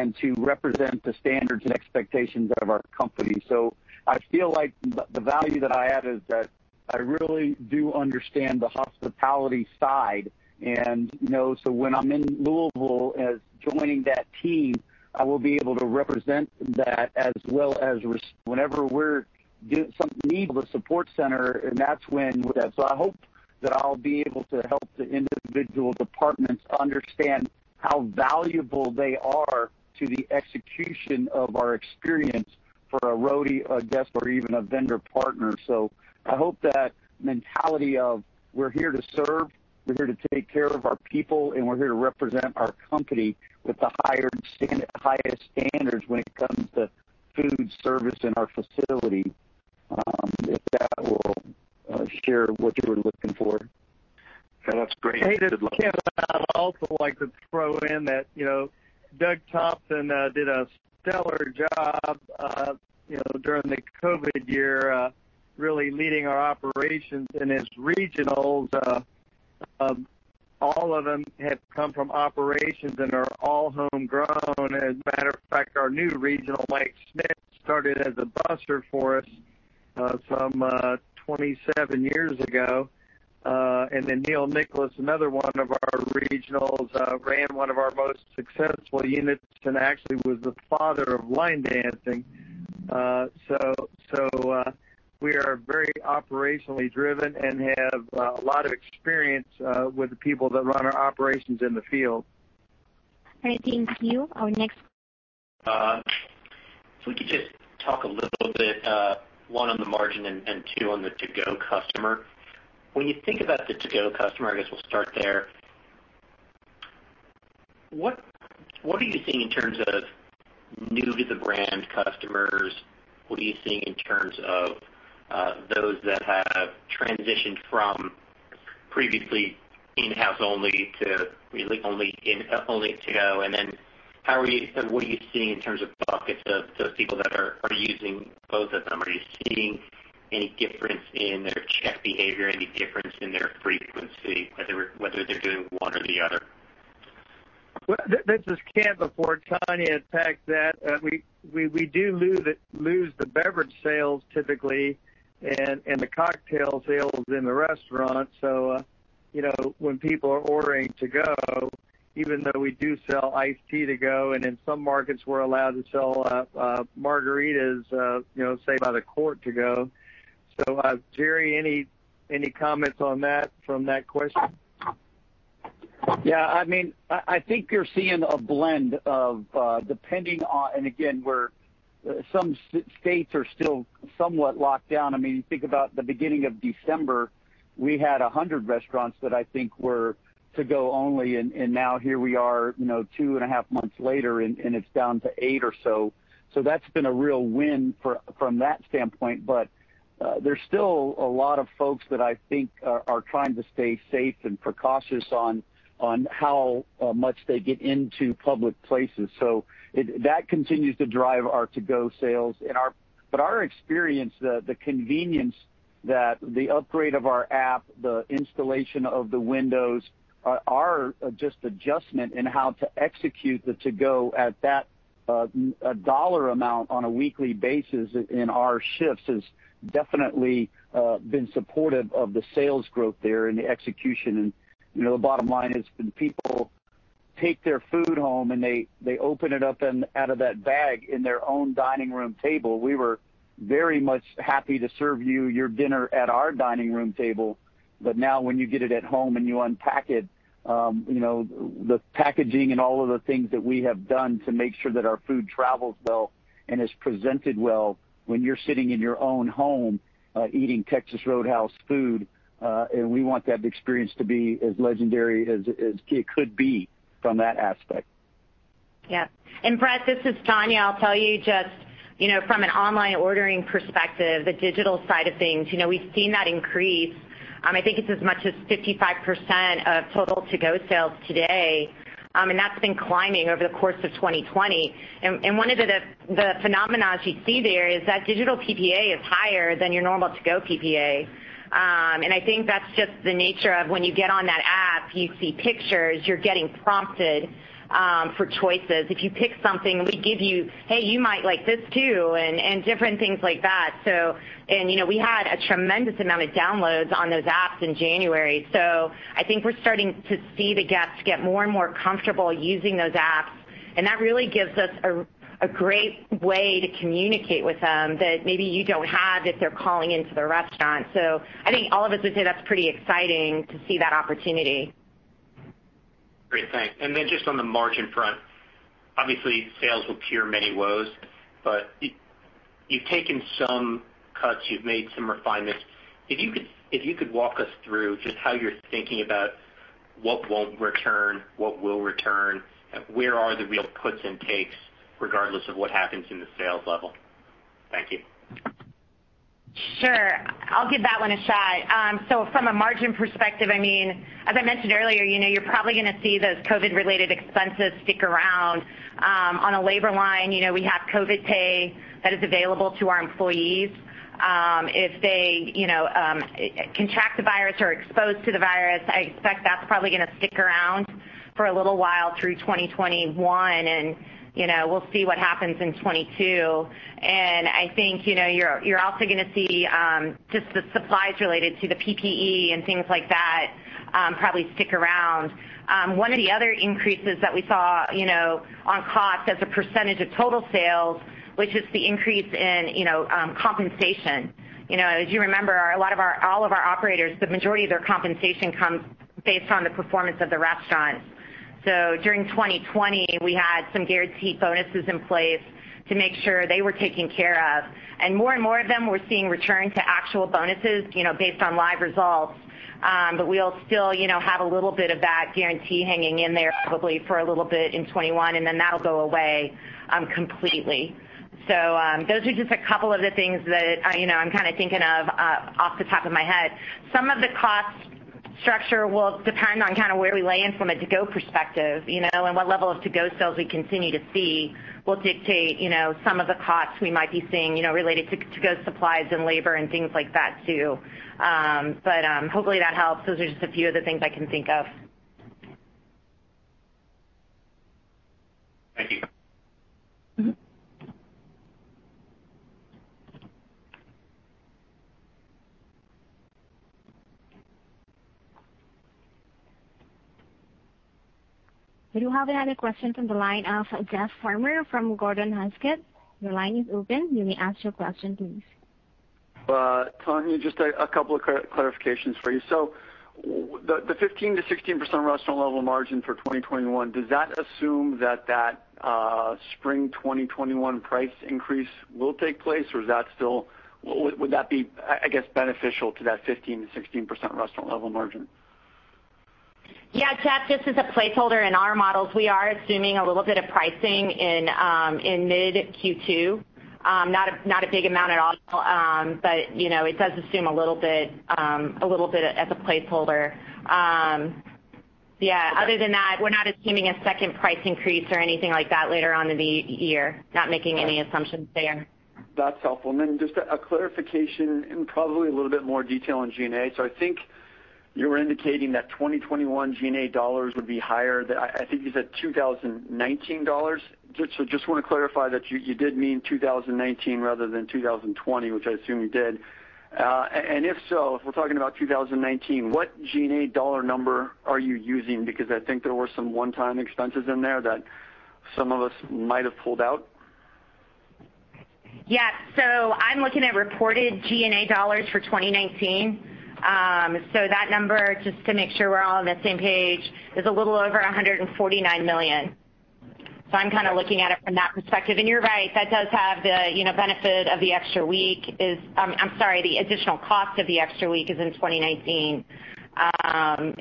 and to represent the standards and expectations of our company. I feel like the value that I add is that I really do understand the hospitality side. When I'm in Louisville as joining that team, I will be able to represent that as well as whenever we need the support center, and that's when. I hope that I'll be able to help the individual departments understand how valuable they are to the execution of our experience for a roadie, a guest, or even a vendor partner. I hope that mentality of we're here to serve, we're here to take care of our people, and we're here to represent our company with the highest standards when it comes to food service in our facility. If that will share what you were looking for. That's great. Good luck. Hey, this is Kent. I'd also like to throw in that Doug Thompson did a stellar job during the COVID year, really leading our operations and his regionals. All of them have come from operations and are all homegrown. As a matter of fact, our new regional, Mike Smith, started as a busser for us some 27 years ago. Neal Nicholas, another one of our regionals, ran one of our most successful units and actually was the father of line dancing. We are very operationally driven and have a lot of experience with the people that run our operations in the field. All right, Dean, it's you. Our next. If we could just talk a little bit, one on the margin and two on the to-go customer. When you think about the to-go customer, I guess we'll start there. What are you seeing in terms of new to the brand customers? What are you seeing in terms of those that have transitioned from previously in-house only to really only to-go? What are you seeing in terms of buckets of those people that are using both of them? Are you seeing any difference in their check behavior? Any difference in their frequency, whether they're doing one or the other? Well, this is Kent before Tonya attacks that. We do lose the beverage sales typically and the cocktail sales in the restaurant. When people are ordering to go, even though we do sell iced tea to go, and in some markets we're allowed to sell margaritas, say, by the quart to go. Jerry, any comments on that from that question? Yeah. I think you're seeing a blend of depending on, some states are still somewhat locked down. You think about the beginning of December, we had 100 restaurants that I think were to go only, now here we are two and a half months later, it's down to eight or so. That's been a real win from that standpoint. There's still a lot of folks that I think are trying to stay safe and cautious on how much they get into public places. That continues to drive our to-go sales. Our experience, the convenience that the upgrade of our app, the installation of the windows, our just adjustment in how to execute the to-go at that dollar amount on a weekly basis in our shifts has definitely been supportive of the sales growth there and the execution. The bottom line is when people take their food home, and they open it up out of that bag in their own dining room table, we were very much happy to serve you your dinner at our dining room table. Now when you get it at home and you unpack it, the packaging and all of the things that we have done to make sure that our food travels well and is presented well when you're sitting in your own home eating Texas Roadhouse food. We want that experience to be as legendary as it could be from that aspect. Yeah. Brett, this is Tonya. I'll tell you just from an online ordering perspective, the digital side of things, we've seen that increase. I think it's as much as 55% of total to-go sales today, and that's been climbing over the course of 2020. One of the phenomena you see there is that digital PPA is higher than your normal to-go PPA. I think that's just the nature of when you get on that app, you see pictures, you're getting prompted for choices. If you pick something, we give you, "Hey, you might like this, too," and different things like that. We had a tremendous amount of downloads on those apps in January. I think we're starting to see the guests get more and more comfortable using those apps, and that really gives us a great way to communicate with them that maybe you don't have if they're calling into the restaurant. I think all of us would say that's pretty exciting to see that opportunity. Great, thanks. Then just on the margin front, obviously sales will cure many woes, but you've taken some cuts, you've made some refinements. If you could walk us through just how you're thinking about what won't return, what will return, where are the real puts and takes regardless of what happens in the sales level? Thank you. Sure. I'll give that one a shot. From a margin perspective, as I mentioned earlier, you're probably going to see those COVID related expenses stick around. On a labor line, we have COVID pay that is available to our employees if they contract the virus or are exposed to the virus. I expect that's probably going to stick around for a little while through 2021, and we'll see what happens in 2022. I think you're also going to see just the supplies related to the PPE and things like that probably stick around. One of the other increases that we saw on cost as a percentage of total sales, which is the increase in compensation. As you remember, all of our operators, the majority of their compensation comes based on the performance of the restaurant. During 2020, we had some guaranteed bonuses in place to make sure they were taken care of, and more and more of them we're seeing return to actual bonuses based on live results. We'll still have a little bit of that guarantee hanging in there probably for a little bit in 2021, and then that'll go away completely. Those are just a couple of the things that I'm thinking of off the top of my head. Some of the cost structure will depend on where we land from a to-go perspective, and what level of to-go sales we continue to see will dictate some of the costs we might be seeing related to to-go supplies and labor and things like that, too. Hopefully that helps. Those are just a few of the things I can think of. Thank you. We do have another question from the line of Jeff Farmer from Gordon Haskett. Your line is open. You may ask your question, please. Tonya, just a couple of clarifications for you. The 15%-16% restaurant level margin for 2021, does that assume that that spring 2021 price increase will take place? Would that be, I guess, beneficial to that 15%-16% restaurant level margin? Jeff, just as a placeholder in our models, we are assuming a little bit of pricing in mid Q2. Not a big amount at all. It does assume a little bit as a placeholder. Other than that, we're not assuming a second price increase or anything like that later on in the year. Not making any assumptions there. That's helpful. Then just a clarification and probably a little bit more detail on G&A. I think you were indicating that 2021 G&A dollars would be higher than, I think you said 2019 dollars. Just want to clarify that you did mean 2019 rather than 2020, which I assume you did. If so, if we're talking about 2019, what G&A dollar number are you using? Because I think there were some one-time expenses in there that some of us might have pulled out. Yeah. I'm looking at reported G&A dollars for 2019. That number, just to make sure we're all on the same page, is a little over $149 million. I'm kind of looking at it from that perspective. You're right, that does have the benefit of the extra week. I'm sorry, the additional cost of the extra week is in 2019.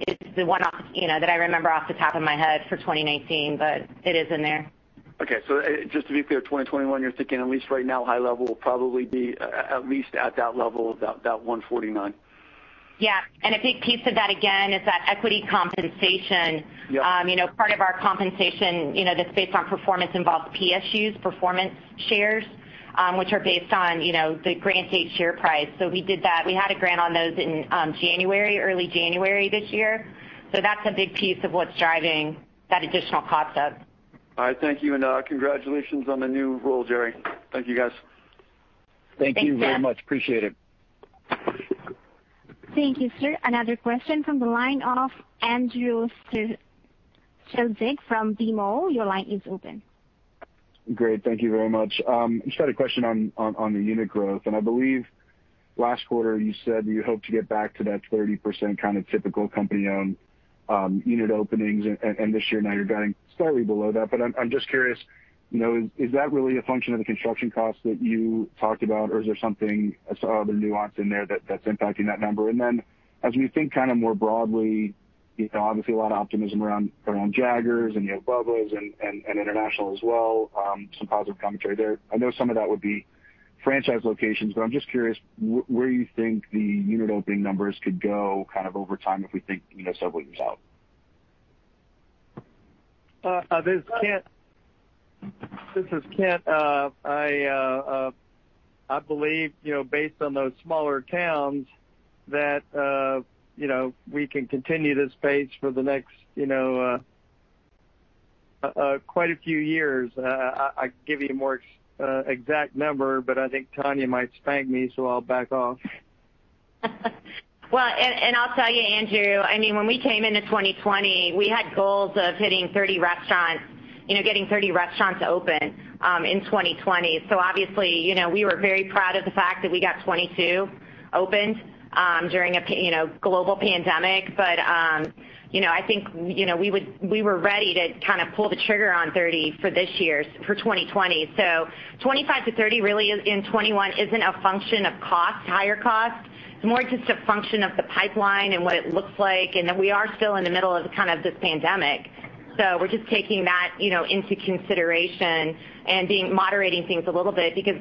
It's the one that I remember off the top of my head for 2019, it is in there. Okay. just to be clear, 2021, you're thinking at least right now, high level will probably be at least at that level of that $149? Yeah. A big piece of that again, is that equity compensation. Yep. Part of our compensation that's based on performance involves PSUs, performance shares, which are based on the grant date share price. We did that. We had a grant on those in early January this year. That's a big piece of what's driving that additional cost up. All right. Thank you. Congratulations on the new role, Jerry. Thank you, guys. Thanks, Jeff. Thank you very much. Appreciate it. Thank you, sir. Another question from the line of Andrew Strelzik from BMO, your line is open. Great. Thank you very much. Just had a question on the unit growth. I believe last quarter you said you hope to get back to that 30% kind of typical company-owned unit openings. This year now you're guiding slightly below that. I'm just curious, is that really a function of the construction cost that you talked about or is there some other nuance in there that's impacting that number? As we think kind of more broadly, obviously a lot of optimism around Jaggers and you have Bubba's and international as well. Some positive commentary there. I know some of that would be franchise locations. I'm just curious where you think the unit opening numbers could go kind of over time if we think several years out. This is Kent. I believe, based on those smaller towns that we can continue this pace for the next quite a few years. I'd give you a more exact number, but I think Tonya might spank me, so I'll back off. I'll tell you, Andrew, when we came into 2020, we had goals of hitting 30 restaurants, getting 30 restaurants open in 2020. Obviously, we were very proud of the fact that we got 22 opened during a global pandemic. I think we were ready to kind of pull the trigger on 30 for this year, for 2020. 25-30 really in 2021 isn't a function of higher cost. It's more just a function of the pipeline and what it looks like. We are still in the middle of kind of this pandemic. We're just taking that into consideration and moderating things a little bit because,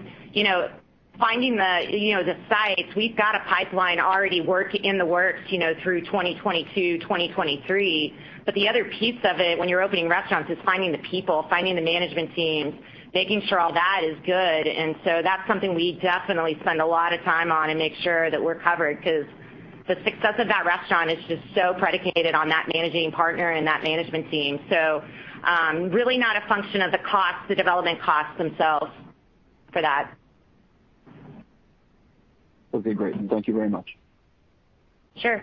finding the sites, we've got a pipeline already in the works through 2022 and 2023. The other piece of it, when you're opening restaurants, is finding the people, finding the management teams, making sure all that is good, and so that's something we definitely spend a lot of time on and make sure that we're covered because the success of that restaurant is just so predicated on that managing partner and that management team. Really not a function of the development costs themselves for that. Okay, great. Thank you very much. Sure.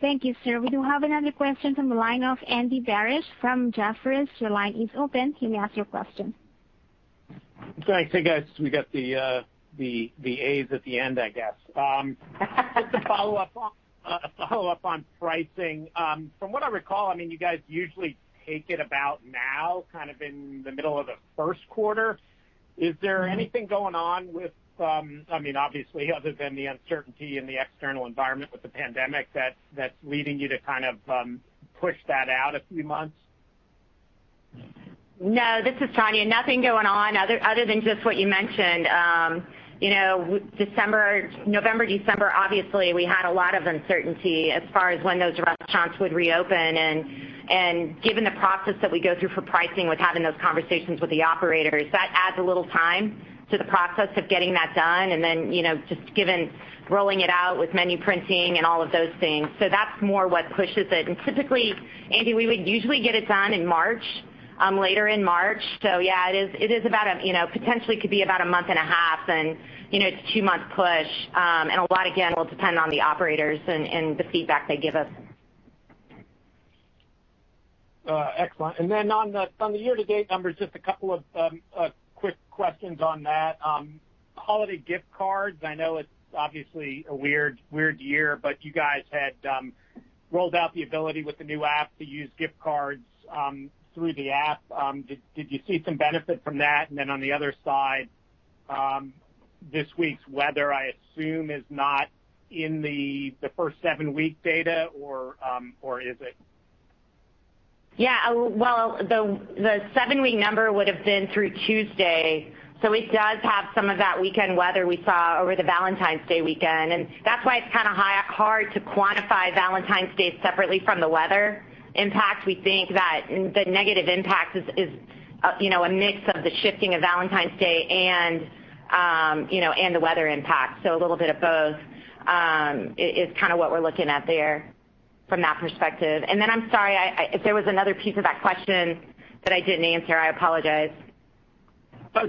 Thank you, sir. We do have another question from the line of Andy Barish from Jefferies. Your line is open. You may ask your question. Thanks. Hey, guys. We got the A's at the end, I guess. Just a follow-up on pricing. From what I recall, you guys usually take it about now, kind of in the middle of the first quarter. Is there anything going on obviously other than the uncertainty in the external environment with the pandemic, that's leading you to kind of push that out a few months? No, this is Tonya. Nothing going on other than just what you mentioned. November, December, obviously, we had a lot of uncertainty as far as when those restaurants would reopen, and given the process that we go through for pricing with having those conversations with the operators, that adds a little time to the process of getting that done. Just given rolling it out with menu printing and all of those things. That's more what pushes it. Typically, Andy, we would usually get it done in March, later in March. Yeah, it potentially could be about a month and a half, and it's a two-month push. A lot, again, will depend on the operators and the feedback they give us. Excellent. On the year-to-date numbers, just a couple of quick questions on that. Holiday gift cards, I know it's obviously a weird year, you guys had rolled out the ability with the new app to use gift cards through the app. Did you see some benefit from that? On the other side, this week's weather, I assume, is not in the first seven-week data or is it? Yeah. The seven-week number would have been through Tuesday, so it does have some of that weekend weather we saw over the Valentine's Day weekend. That's why it's kind of hard to quantify Valentine's Day separately from the weather impact. We think that the negative impact is a mix of the shifting of Valentine's Day and the weather impact. A little bit of both is what we're looking at there from that perspective. I'm sorry, if there was another piece of that question that I didn't answer, I apologize.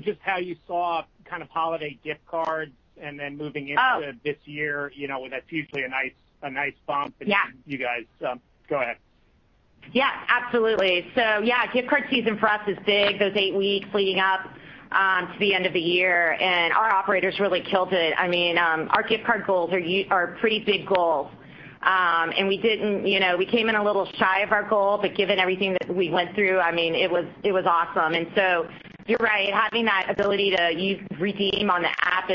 Just how you saw holiday gift cards and then moving into this year, that's usually a nice bump. Yeah for you guys. Go ahead. Yeah, absolutely. Yeah, gift card season for us is big, those eight weeks leading up to the end of the year, and our operators really killed it. Our gift card goals are pretty big goals. We came in a little shy of our goal, but given everything that we went through, it was awesome. You're right, having that ability to use redeem on the app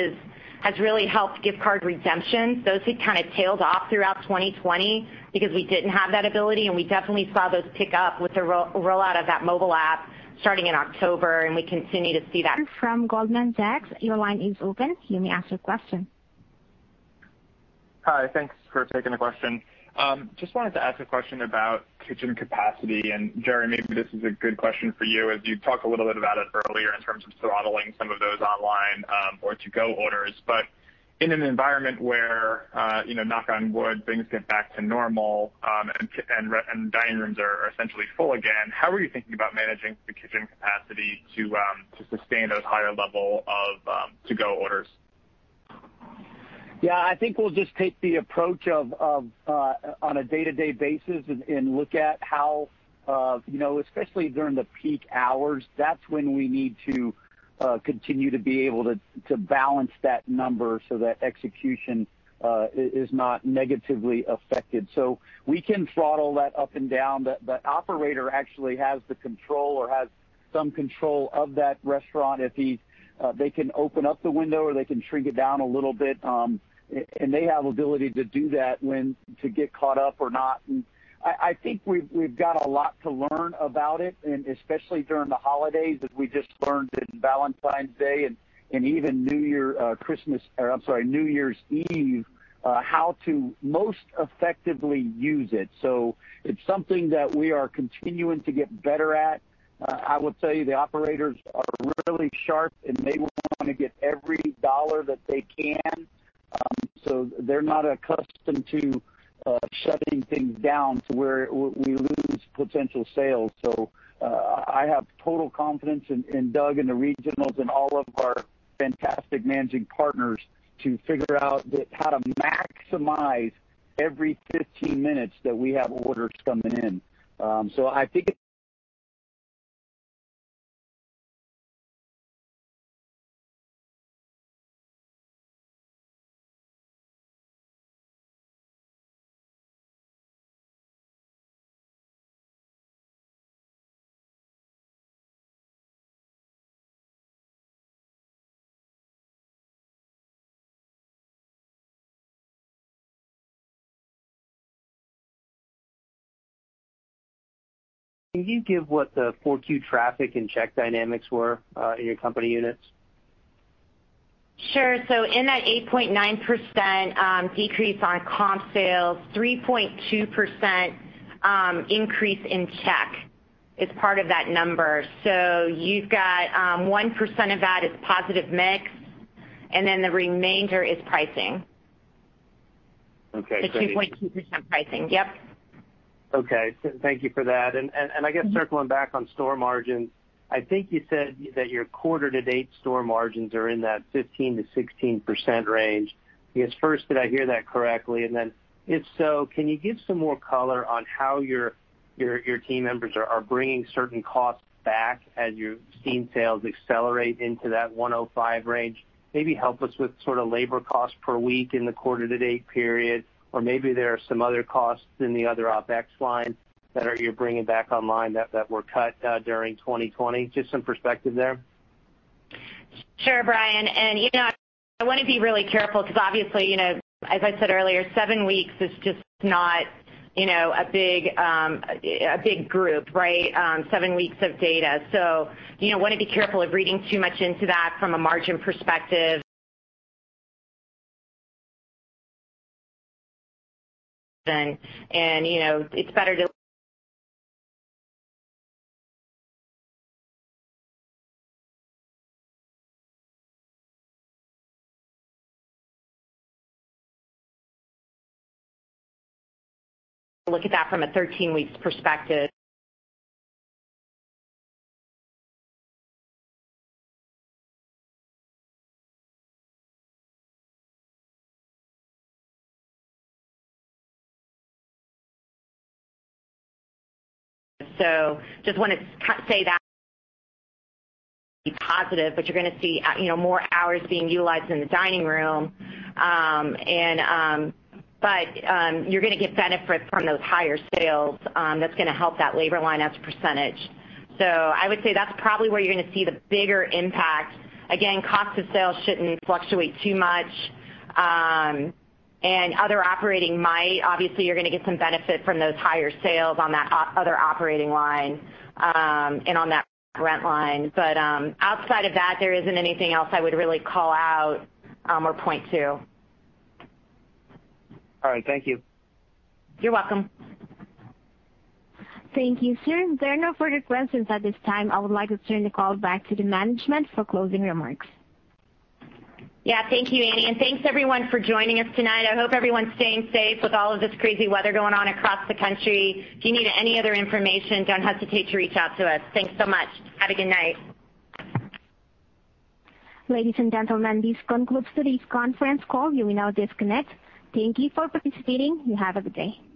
has really helped gift card redemption. Those had tailed off throughout 2020 because we didn't have that ability, and we definitely saw those pick up with the rollout of that mobile app starting in October, and we continue to see that. From Goldman Sachs, your line is open. You may ask your question. Hi. Thanks for taking the question. Just wanted to ask a question about kitchen capacity. Jerry, maybe this is a good question for you, as you talked a little bit about it earlier in terms of throttling some of those online or to-go orders. In an environment where, knock on wood, things get back to normal, and dining rooms are essentially full again, how are you thinking about managing the kitchen capacity to sustain those higher level of to-go orders? Yeah, I think we'll just take the approach of on a day-to-day basis and look at how, especially during the peak hours, that's when we need to continue to be able to balance that number so that execution is not negatively affected. We can throttle that up and down. The operator actually has the control or has some control of that restaurant if they can open up the window, or they can shrink it down a little bit. They have ability to do that when to get caught up or not. I think we've got a lot to learn about it, and especially during the holidays, as we just learned in Valentine's Day and even New Year's Eve, how to most effectively use it. It's something that we are continuing to get better at. I will tell you, the operators are really sharp. They want to get every dollar that they can. They're not accustomed to shutting things down to where we lose potential sales. I have total confidence in Doug and the regionals and all of our fantastic managing partners to figure out how to maximize every 15 minutes that we have orders coming in. Can you give what the 4Q traffic and check dynamics were in your company units? Sure. In that 8.9% decrease on comp sales, 3.2% increase in check is part of that number. You've got 1% of that is positive mix, the remainder is pricing. Okay. The 3.2% pricing. Yep. Okay. Thank you for that. I guess circling back on store margins, I think you said that your quarter to date store margins are in that 15%-16% range. I guess first, did I hear that correctly? If so, can you give some more color on how your team members are bringing certain costs back as you've seen sales accelerate into that 105 range? Maybe help us with sort of labor cost per week in the quarter to date period, or maybe there are some other costs in the other OpEx lines that you're bringing back online that were cut during 2020. Just some perspective there. Sure, Brian. I want to be really careful because obviously, as I said earlier, seven weeks is just not a big group, right? Seven weeks of data. Want to be careful of reading too much into that from a margin perspective. It's better to look at that from a 13 weeks perspective. Just want to say that be positive, but you're going to see more hours being utilized in the dining room. You're going to get benefits from those higher sales that's going to help that labor line as a percentage. I would say that's probably where you're going to see the bigger impact. Again, cost of sales shouldn't fluctuate too much. Other operating might, obviously, you're going to get some benefit from those higher sales on that other operating line, and on that rent line. Outside of that, there isn't anything else I would really call out or point to. All right. Thank you. You're welcome. Thank you. Sir, there are no further questions at this time. I would like to turn the call back to the management for closing remarks. Yeah. Thank you, Annie. Thanks everyone for joining us tonight. I hope everyone's staying safe with all of this crazy weather going on across the country. If you need any other information, don't hesitate to reach out to us. Thanks so much. Have a good night. Ladies and gentlemen, this concludes today's conference call. You may now disconnect. Thank you for participating. You have a good day.